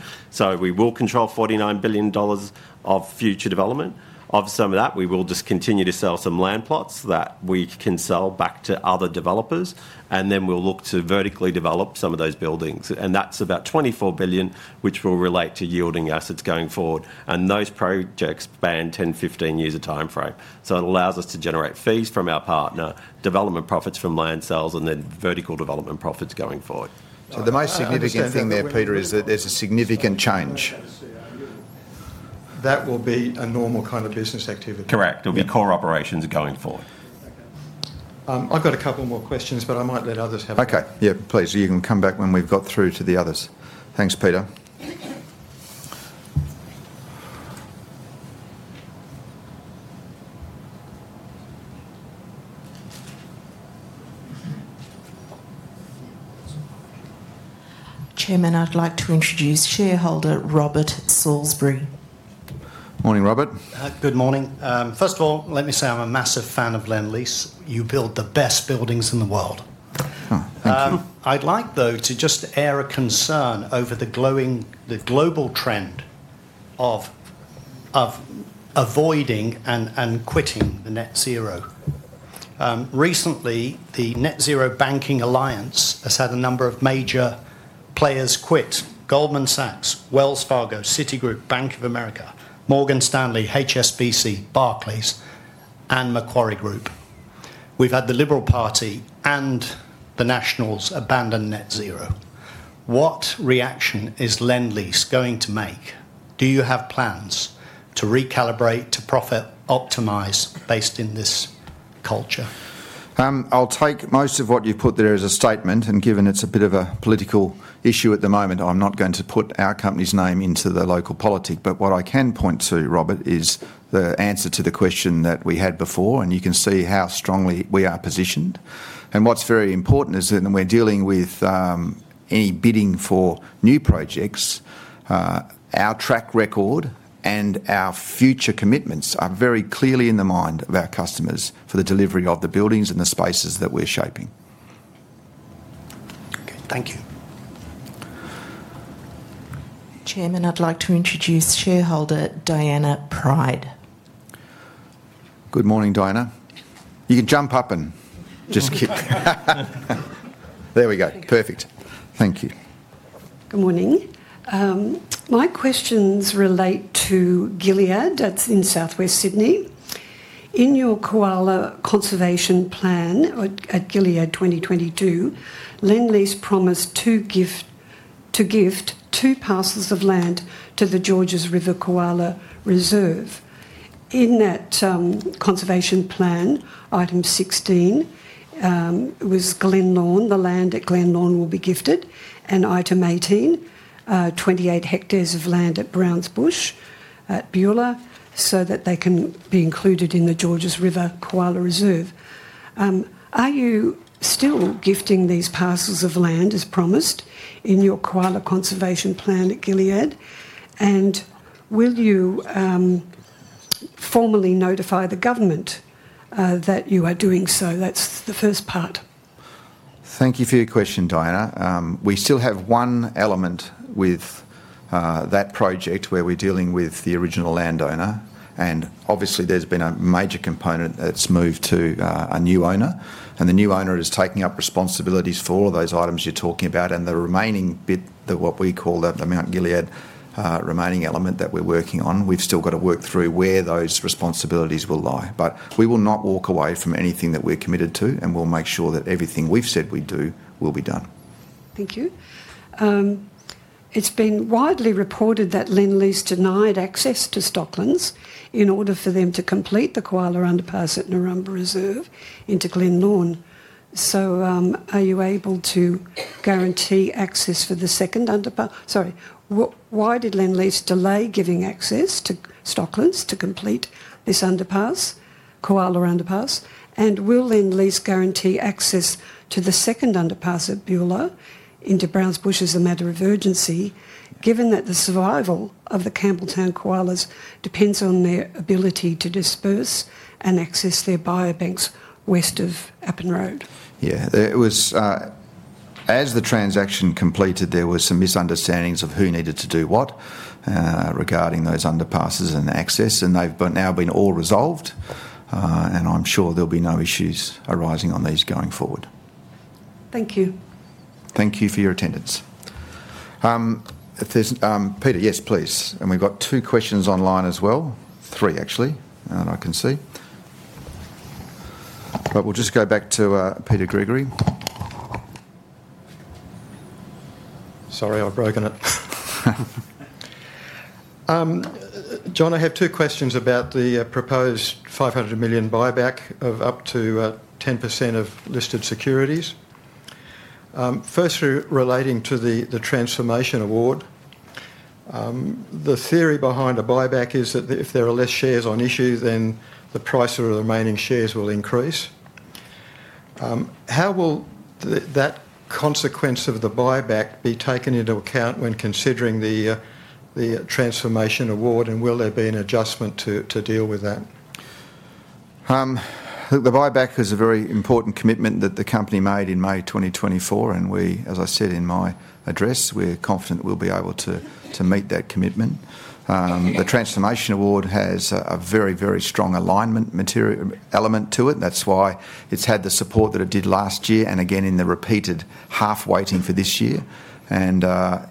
We will control 49 billion dollars of future development. Of some of that, we will just continue to sell some land plots that we can sell back to other developers. Then we'll look to vertically develop some of those buildings. That's about 24 billion, which will relate to yielding assets going forward. Those projects span 10-15 years of timeframe. It allows us to generate fees from our partner, development profits from land sales, and then vertical development profits going forward. The most significant thing there, Peter, is that there's a significant change. That will be a normal kind of business activity. Correct. It'll be core operations going forward. I've got a couple more questions, but I might let others have them. Okay. Yeah, please. You can come back when we've got through to the others. Thanks, Peter. Chairman, I'd like to introduce shareholder Robert Salisbury. Morning, Robert. Good morning. First of all, let me say I'm a massive fan of Lendlease. You build the best buildings in the world. Thank you. I'd like, though, to just air a concern over the global trend of avoiding and quitting the net zero. Recently, the Net Zero Banking Alliance has had a number of major players quit: Goldman Sachs, Wells Fargo, Citigroup, Bank of America, Morgan Stanley, HSBC, Barclays, and Macquarie Group. We've had the Liberal Party and the Nationals abandon net zero. What reaction is Lendlease going to make? Do you have plans to recalibrate, to profit optimize based in this culture? I'll take most of what you've put there as a statement. Given it's a bit of a political issue at the moment, I'm not going to put our company's name into the local politic. What I can point to, Robert, is the answer to the question that we had before. You can see how strongly we are positioned. What's very important is that when we're dealing with any bidding for new projects, our track record and our future commitments are very clearly in the mind of our customers for the delivery of the buildings and the spaces that we're shaping. Okay. Thank you. Chairman, I'd like to introduce shareholder Diana Pride. Good morning, Diana. You can jump up and just kick. There we go. Perfect. Thank you. Good morning. My questions relate to Gilead. That's in southwest Sydney. In your Koala Conservation Plan at Gilead 2022, Lendlease promised to gift two parcels of land to the Georges River Koala Reserve. In that conservation plan, item 16 was Glen Lorne. The land at Glen Lorne will be gifted. Item 18, 28 hectares of land at Brownsbush at Beulah so that they can be included in the Georges River Koala Reserve. Are you still gifting these parcels of land as promised in your Koala Conservation Plan at Gilead? Will you formally notify the government that you are doing so? That's the first part. Thank you for your question, Diana. We still have one element with that project where we're dealing with the original landowner. Obviously, there's been a major component that's moved to a new owner. The new owner is taking up responsibilities for all of those items you're talking about. The remaining bit, what we call the Mount Gilead remaining element that we're working on, we've still got to work through where those responsibilities will lie. We will not walk away from anything that we're committed to. We'll make sure that everything we've said we do will be done. Thank you. It's been widely reported that Lendlease denied access to Stockland in order for them to complete the koala underpass at Narumba Reserve into Glen Lorne. Are you able to guarantee access for the second underpass? Sorry. Why did Lendlease delay giving access to Stockland to complete this underpass, koala underpass? Will Lendlease guarantee access to the second underpass at Beulah into Brownsbush as a matter of urgency, given that the survival of the Campbelltown koalas depends on their ability to disperse and access their biobanks west of Appin Road? Yeah. As the transaction completed, there were some misunderstandings of who needed to do what regarding those underpasses and access. They've now been all resolved. I'm sure there'll be no issues arising on these going forward. Thank you. Thank you for your attendance. Peter, yes, please. And we've got two questions online as well. Three, actually, that I can see. But we'll just go back to Peter Gregory. Sorry, I've broken it. John, I have two questions about the proposed 500 million buyback of up to 10% of listed securities. First, relating to the transformation award, the theory behind a buyback is that if there are less shares on issue, then the price of the remaining shares will increase. How will that consequence of the buyback be taken into account when considering the transformation award? And will there be an adjustment to deal with that? The buyback is a very important commitment that the company made in May 2024. And we, as I said in my address, we're confident we'll be able to meet that commitment. The transformation award has a very, very strong alignment element to it. That's why it's had the support that it did last year and again in the repeated half waiting for this year. The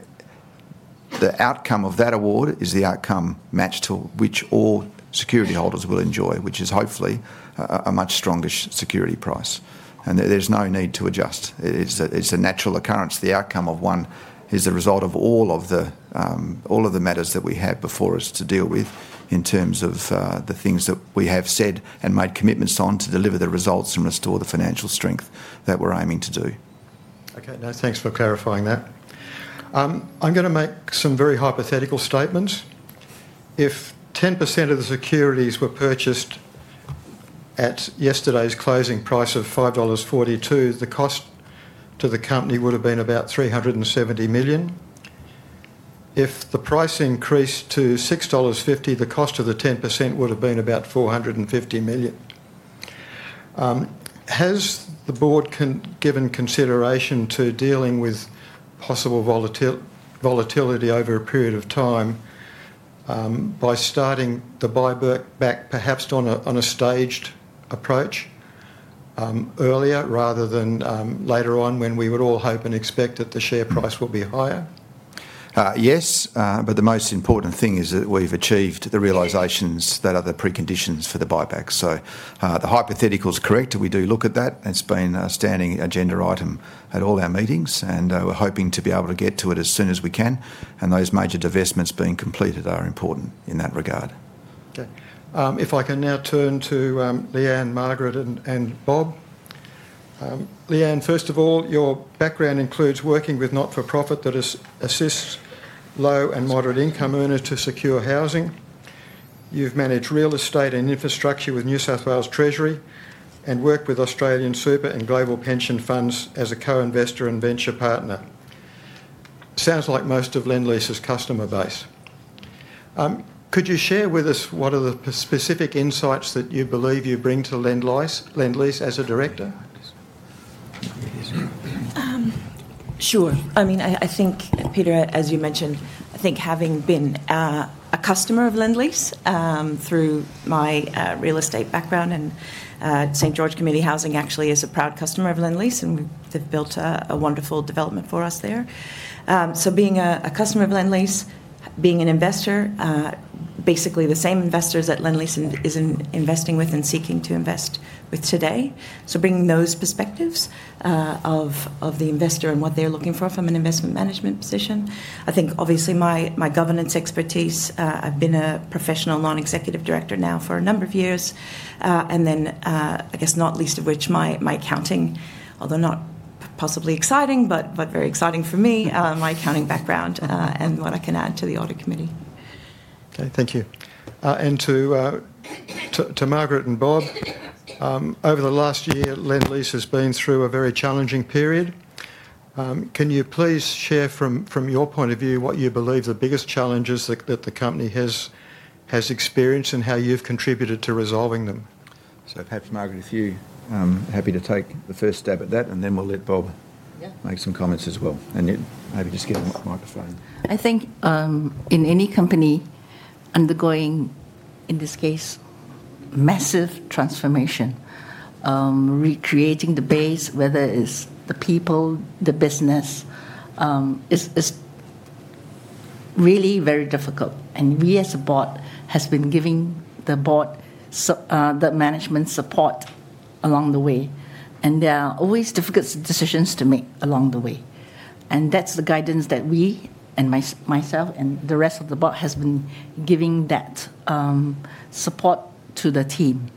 outcome of that award is the outcome matched to which all security holders will enjoy, which is hopefully a much stronger security price. There's no need to adjust. It's a natural occurrence. The outcome of one is the result of all of the matters that we have before us to deal with in terms of the things that we have said and made commitments on to deliver the results and restore the financial strength that we're aiming to do. Okay. No, thanks for clarifying that. I'm going to make some very hypothetical statements. If 10% of the securities were purchased at yesterday's closing price of 5.42 dollars, the cost to the company would have been about 370 million. If the price increased to 6.50 dollars, the cost of the 10% would have been about 450 million. Has the board given consideration to dealing with possible volatility over a period of time by starting the buyback perhaps on a staged approach earlier rather than later on when we would all hope and expect that the share price will be higher? Yes. The most important thing is that we've achieved the realizations that are the preconditions for the buyback. The hypothetical is correct. We do look at that. It's been a standing agenda item at all our meetings. We're hoping to be able to get to it as soon as we can. Those major divestments being completed are important in that regard. Okay. If I can now turn to Lianne, Margaret, and Bob. Lianne, first of all, your background includes working with not-for-profit that assists low and moderate-income earners to secure housing. You've managed real estate and infrastructure with New South Wales Treasury and worked with Australian Super and global pension funds as a co-investor and venture partner. Sounds like most of Lendlease's customer base. Could you share with us what are the specific insights that you believe you bring to Lendlease as a director? Sure. I mean, I think, Peter, as you mentioned, I think having been a customer of Lendlease through my real estate background and St. George Community Housing actually is a proud customer of Lendlease. They've built a wonderful development for us there. Being a customer of Lendlease, being an investor, basically the same investors that Lendlease is investing with and seeking to invest with today. Bringing those perspectives of the investor and what they're looking for from an investment management position, I think, obviously, my governance expertise. I've been a professional non-executive director now for a number of years. I guess not least of which, my accounting, although not possibly exciting, but very exciting for me, my accounting background and what I can add to the audit committee. Okay. Thank you. To Margaret and Bob, over the last year, Lendlease has been through a very challenging period. Can you please share from your point of view what you believe the biggest challenges that the company has experienced and how you've contributed to resolving them? Perhaps, Margaret, if you're happy to take the first stab at that, and then we'll let Bob make some comments as well. Maybe just give him a microphone. I think in any company undergoing, in this case, massive transformation, recreating the base, whether it's the people, the business, is really very difficult. We, as a board, have been giving the board the management support along the way. There are always difficult decisions to make along the way. That's the guidance that we and myself and the rest of the board have been giving that support to the team.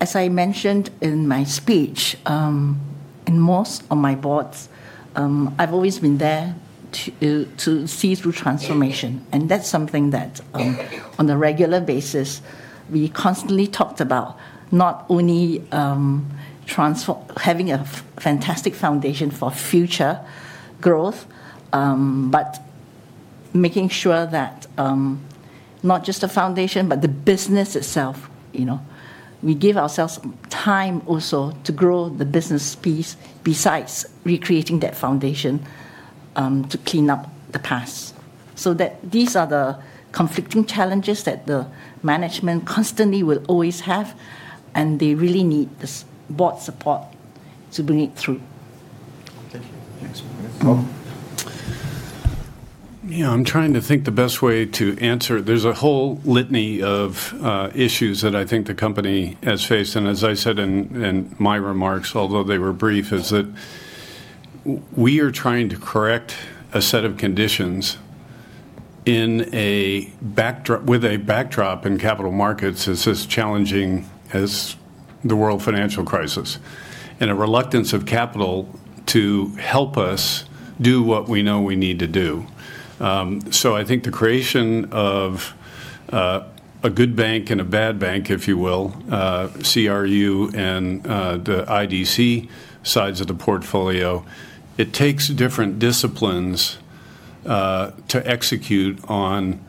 As I mentioned in my speech, in most of my boards, I've always been there to see through transformation. That's something that, on a regular basis, we constantly talked about, not only having a fantastic foundation for future growth, but making sure that not just the foundation, but the business itself. We give ourselves time also to grow the business piece besides recreating that foundation to clean up the past. These are the conflicting challenges that the management constantly will always have. They really need the board support to bring it through. Thank you. Next one, please. Yeah. I'm trying to think the best way to answer. There's a whole litany of issues that I think the company has faced. As I said in my remarks, although they were brief, is that we are trying to correct a set of conditions with a backdrop in capital markets as challenging as the world financial crisis and a reluctance of capital to help us do what we know we need to do. I think the creation of a good bank and a bad bank, if you will, CRU and the IDC sides of the portfolio, it takes different disciplines to execute on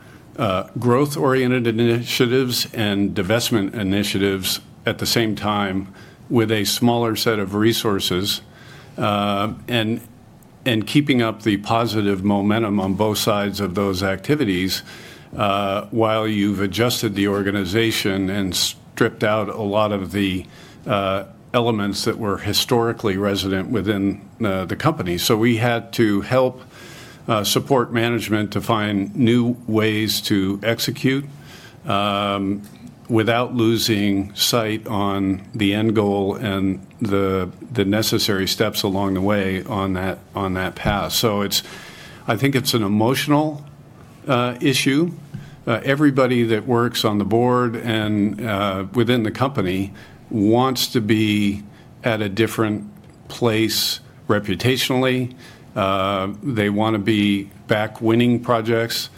growth-oriented initiatives and divestment initiatives at the same time with a smaller set of resources and keeping up the positive momentum on both sides of those activities while you've adjusted the organization and stripped out a lot of the elements that were historically resident within the company. We had to help support management to find new ways to execute without losing sight on the end goal and the necessary steps along the way on that path. I think it's an emotional issue. Everybody that works on the board and within the company wants to be at a different place reputationally. They want to be back winning projects.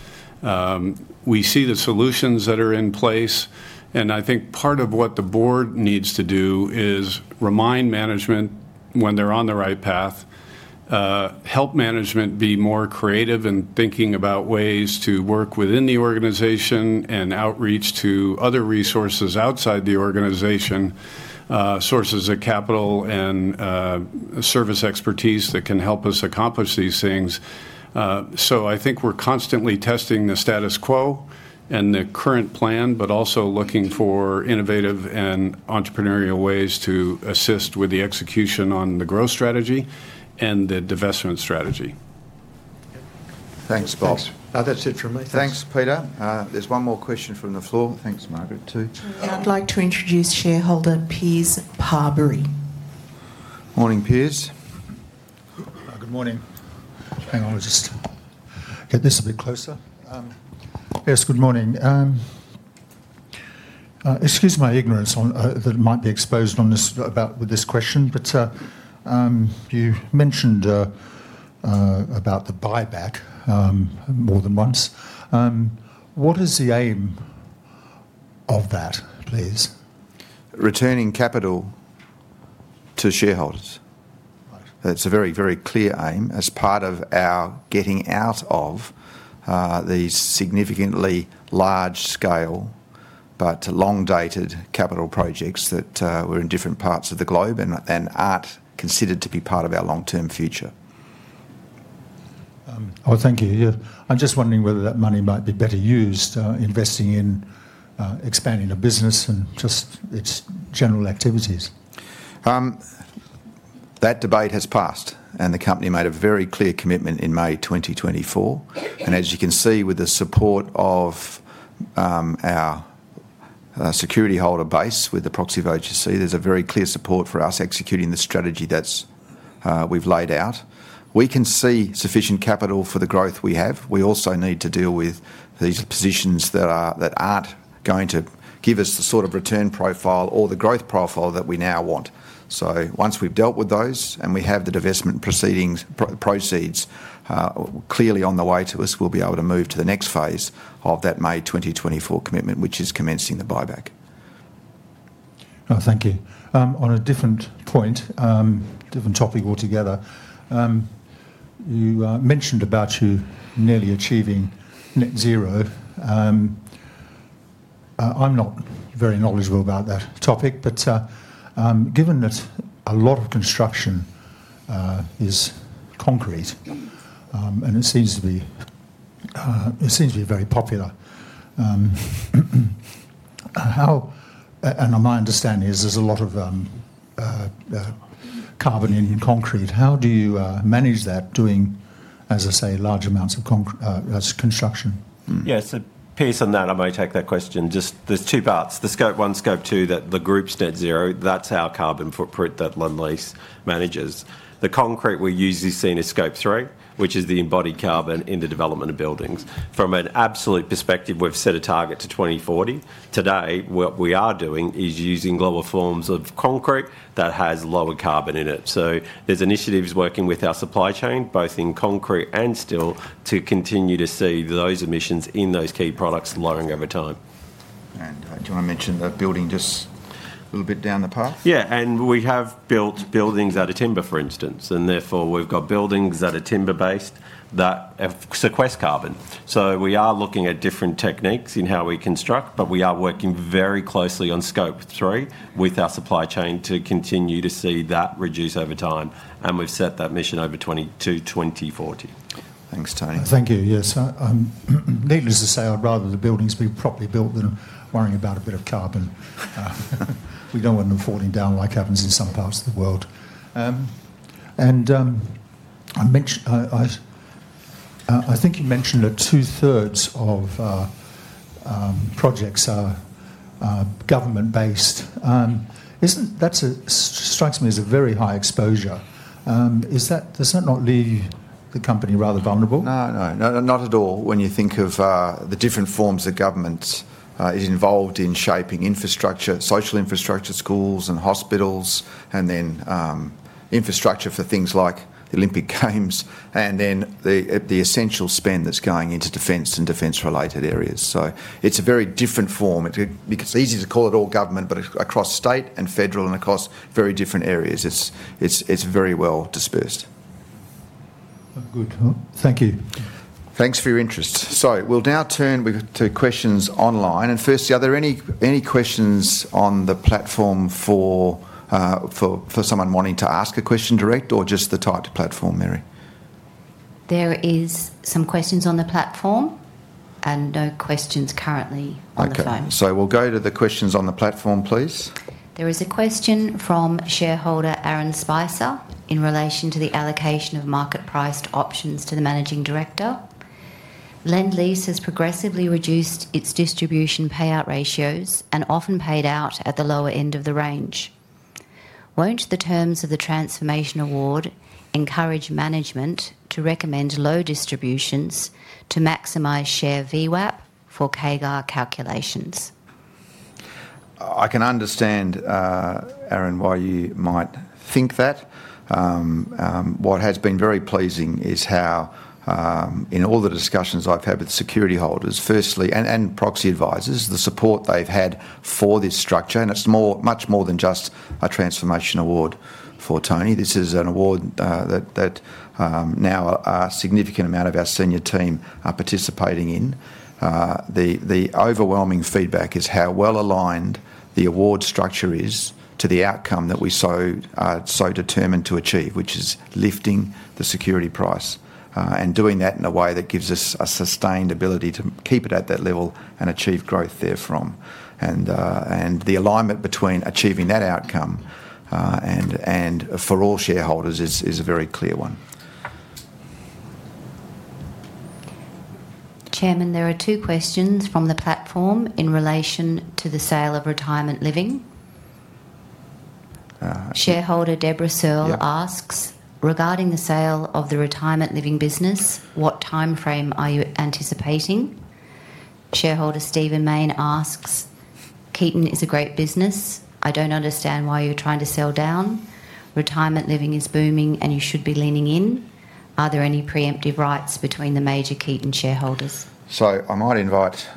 We see the solutions that are in place. I think part of what the board needs to do is remind management when they're on the right path, help management be more creative in thinking about ways to work within the organization and outreach to other resources outside the organization, sources of capital and service expertise that can help us accomplish these things. I think we're constantly testing the status quo and the current plan, but also looking for innovative and entrepreneurial ways to assist with the execution on the growth strategy and the divestment strategy. Thanks, Bob. That's it from me. Thanks, Peter. There's one more question from the floor. Thanks, Margaret, too. I'd like to introduce shareholder Piers Parberry. Morning, Piers. Good morning. Hang on. I'll just get this a bit closer. Yes, good morning. Excuse my ignorance that it might be exposed on this with this question. You mentioned about the buyback more than once. What is the aim of that, please? Returning capital to shareholders. That is a very, very clear aim as part of our getting out of these significantly large-scale but long-dated capital projects that were in different parts of the globe and are not considered to be part of our long-term future. Oh, thank you. I am just wondering whether that money might be better used investing in expanding the business and just its general activities. That debate has passed. The company made a very clear commitment in May 2024. As you can see, with the support of our security holder base with the proxy voters, there is very clear support for us executing the strategy that we have laid out. We can see sufficient capital for the growth we have. We also need to deal with these positions that aren't going to give us the sort of return profile or the growth profile that we now want. Once we've dealt with those and we have the divestment proceeds clearly on the way to us, we'll be able to move to the next phase of that May 2024 commitment, which is commencing the buyback. Thank you. On a different point, different topic altogether, you mentioned about you nearly achieving net zero. I'm not very knowledgeable about that topic. Given that a lot of construction is concrete and it seems to be very popular, and my understanding is there's a lot of carbon in concrete, how do you manage that doing, as I say, large amounts of construction? Yeah. Piers, on that, I may take that question. There's two parts. The scope one, scope two, the group's net zero, that's our carbon footprint that Lendlease manages. The concrete we're usually seeing is scope three, which is the embodied carbon in the development of buildings. From an absolute perspective, we've set a target to 2040. Today, what we are doing is using lower forms of concrete that has lower carbon in it. There are initiatives working with our supply chain, both in concrete and steel, to continue to see those emissions in those key products lowering over time. Do you want to mention the building just a little bit down the path? Yeah. We have built buildings out of timber, for instance. Therefore, we've got buildings that are timber-based that sequester carbon. We are looking at different techniques in how we construct. We are working very closely on scope three with our supply chain to continue to see that reduce over time. We have set that mission over 2020 to 2040. Thanks, Tony. Thank you. Yes. Needless to say, I would rather the buildings be properly built than worrying about a bit of carbon. We do not want them falling down like happens in some parts of the world. I think you mentioned that two-thirds of projects are government-based. That strikes me as a very high exposure. Does that not leave the company rather vulnerable? No, not at all when you think of the different forms that government is involved in shaping infrastructure, social infrastructure, schools and hospitals, and then infrastructure for things like the Olympic Games, and then the essential spend that is going into defense and defense-related areas. It is a very different form. It's easy to call it all government, but across state and federal and across very different areas, it's very well dispersed. Good. Thank you. Thanks for your interest. We'll now turn to questions online. Firstly, are there any questions on the platform for someone wanting to ask a question direct or just the type of platform, Mary? There are some questions on the platform and no questions currently on the phone. Okay. We'll go to the questions on the platform, please. There is a question from shareholder Aaron Spicer in relation to the allocation of market-priced options to the managing director. Lendlease has progressively reduced its distribution payout ratios and often paid out at the lower end of the range. Won't the terms of the transformation award encourage management to recommend low distributions to maximize share VWAP for KGAR calculations? I can understand, Aaron, why you might think that. What has been very pleasing is how, in all the discussions I've had with security holders, firstly, and proxy advisors, the support they've had for this structure. It is much more than just a transformation award for Tony. This is an award that now a significant amount of our senior team are participating in. The overwhelming feedback is how well aligned the award structure is to the outcome that we're so determined to achieve, which is lifting the security price and doing that in a way that gives us a sustainability to keep it at that level and achieve growth therefrom. The alignment between achieving that outcome and for all shareholders is a very clear one. Chairman, there are two questions from the platform in relation to the sale of retirement living. Shareholder Deborah Searle asks, "Regarding the sale of the retirement living business, what timeframe are you anticipating?" Shareholder Stephen Maine asks, "Keyton is a great business. I don't understand why you're trying to sell down. Retirement living is booming and you should be leaning in. Are there any preemptive rights between the major Keyton shareholders?" I might invite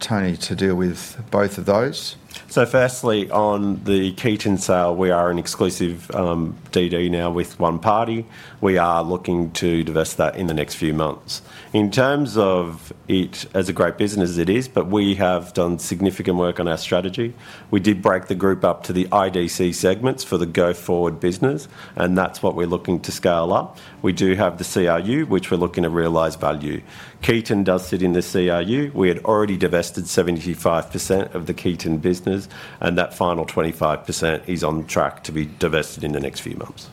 Tony to deal with both of those. Firstly, on the Keyton sale, we are in exclusive DD now with one party. We are looking to divest that in the next few months. In terms of it as a great business, it is, but we have done significant work on our strategy. We did break the group up to the IDC segments for the go-forward business, and that's what we're looking to scale up. We do have the CRU, which we're looking to realize value. Keyton does sit in the CRU. We had already divested 75% of the Keyton business, and that final 25% is on track to be divested in the next few months.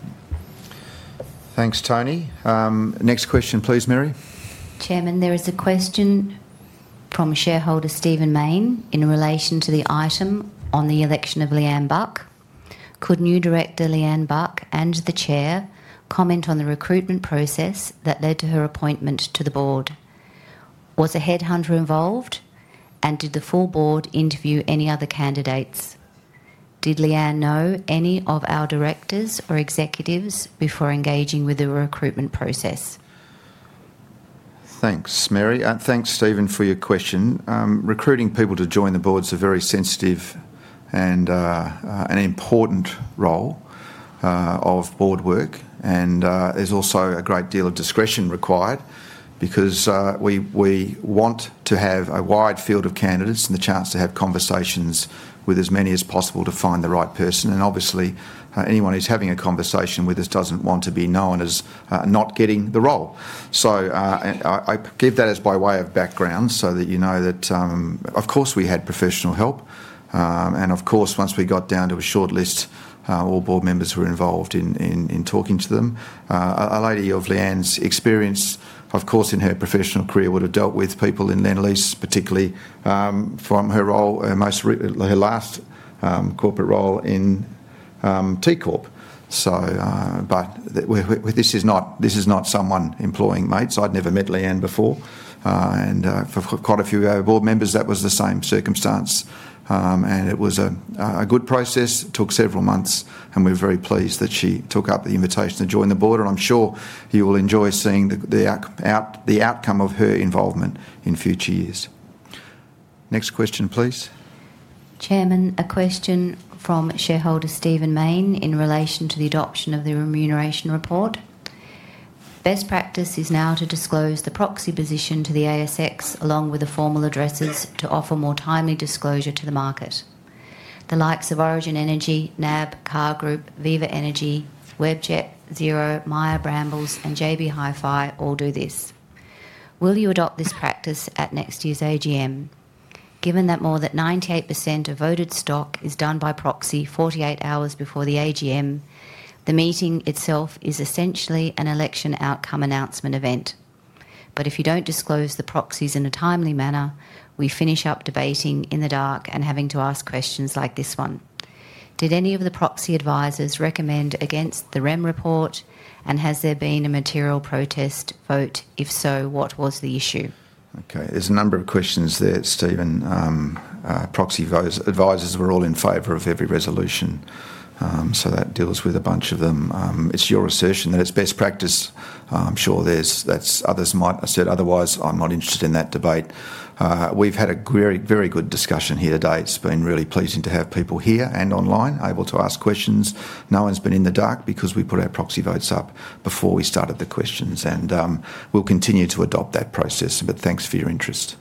Thanks, Tony. Next question, please, Mary. Chairman, there is a question from shareholder Stephen Maine in relation to the item on the election of Lianne Buck. Could new director Lianne Buck and the chair comment on the recruitment process that led to her appointment to the board? Was a headhunter involved, and did the full board interview any other candidates? Did Lianne know any of our directors or executives before engaging with the recruitment process? Thanks, Mary. Thanks, Stephen, for your question. Recruiting people to join the board is a very sensitive and important role of board work. There is also a great deal of discretion required because we want to have a wide field of candidates and the chance to have conversations with as many as possible to find the right person. Obviously, anyone who is having a conversation with us does not want to be known as not getting the role. I give that by way of background so that you know that, of course, we had professional help. Of course, once we got down to a short list, all board members were involved in talking to them. A lady of Lianne's experience, of course, in her professional career would have dealt with people in Lendlease, particularly from her role, her last corporate role in TCORP. This is not someone employing mates. I had never met Lianne before. For quite a few board members, that was the same circumstance. It was a good process. It took several months, and we're very pleased that she took up the invitation to join the board. I'm sure you will enjoy seeing the outcome of her involvement in future years. Next question, please. Chairman, a question from shareholder Stephen Maine in relation to the adoption of the remuneration report. Best practice is now to disclose the proxy position to the ASX along with the formal addresses to offer more timely disclosure to the market. The likes of Origin Energy, NAB, Car Group, Viva Energy, WebJet, Xero, Myer, Brambles, and JB Hi-Fi all do this. Will you adopt this practice at next year's AGM? Given that more than 98% of voted stock is done by proxy 48 hours before the AGM, the meeting itself is essentially an election outcome announcement event. If you do not disclose the proxies in a timely manner, we finish up debating in the dark and having to ask questions like this one. Did any of the proxy advisors recommend against the REM report, and has there been a material protest vote? If so, what was the issue? Okay. There is a number of questions there, Stephen. Proxy advisors were all in favor of every resolution. That deals with a bunch of them. It is your assertion that it is best practice. I am sure others might have said otherwise. I am not interested in that debate. We have had a very good discussion here today. It has been really pleasing to have people here and online able to ask questions. No one has been in the dark because we put our proxy votes up before we started the questions. We will continue to adopt that process. Thanks for your interest.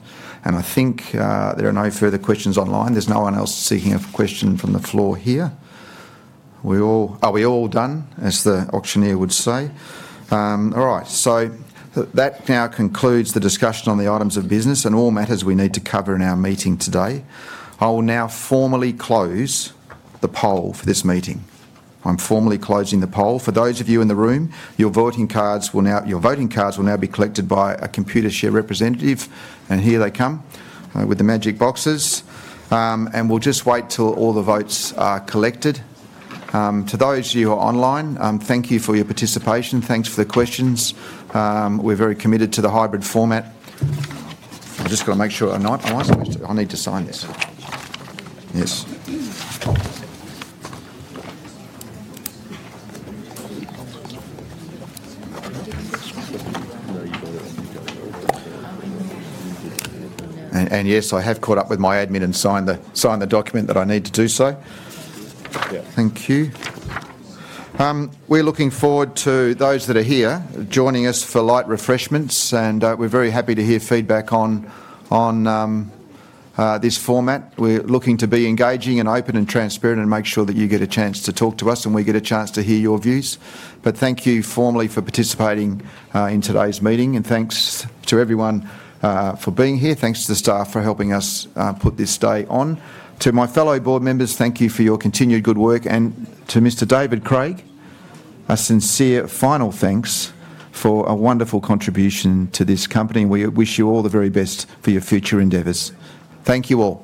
I think there are no further questions online. There's no one else seeking a question from the floor here. Are we all done? As the auctioneer would say. All right. That now concludes the discussion on the items of business and all matters we need to cover in our meeting today. I will now formally close the poll for this meeting. I'm formally closing the poll. For those of you in the room, your voting cards will now be collected by a Computershare representative. Here they come with the magic boxes. We'll just wait till all the votes are collected. To those of you who are online, thank you for your participation. Thanks for the questions. We're very committed to the hybrid format. I just got to make sure I need to sign this. Yes. Yes, I have caught up with my admin and signed the document that I need to do so. Thank you. We are looking forward to those that are here joining us for light refreshments. We are very happy to hear feedback on this format. We are looking to be engaging and open and transparent and make sure that you get a chance to talk to us and we get a chance to hear your views. Thank you formally for participating in today's meeting. Thanks to everyone for being here. Thanks to the staff for helping us put this day on. To my fellow board members, thank you for your continued good work. To Mr. David Craig, a sincere final thanks for a wonderful contribution to this company. We wish you all the very best for your future endeavors. Thank you all.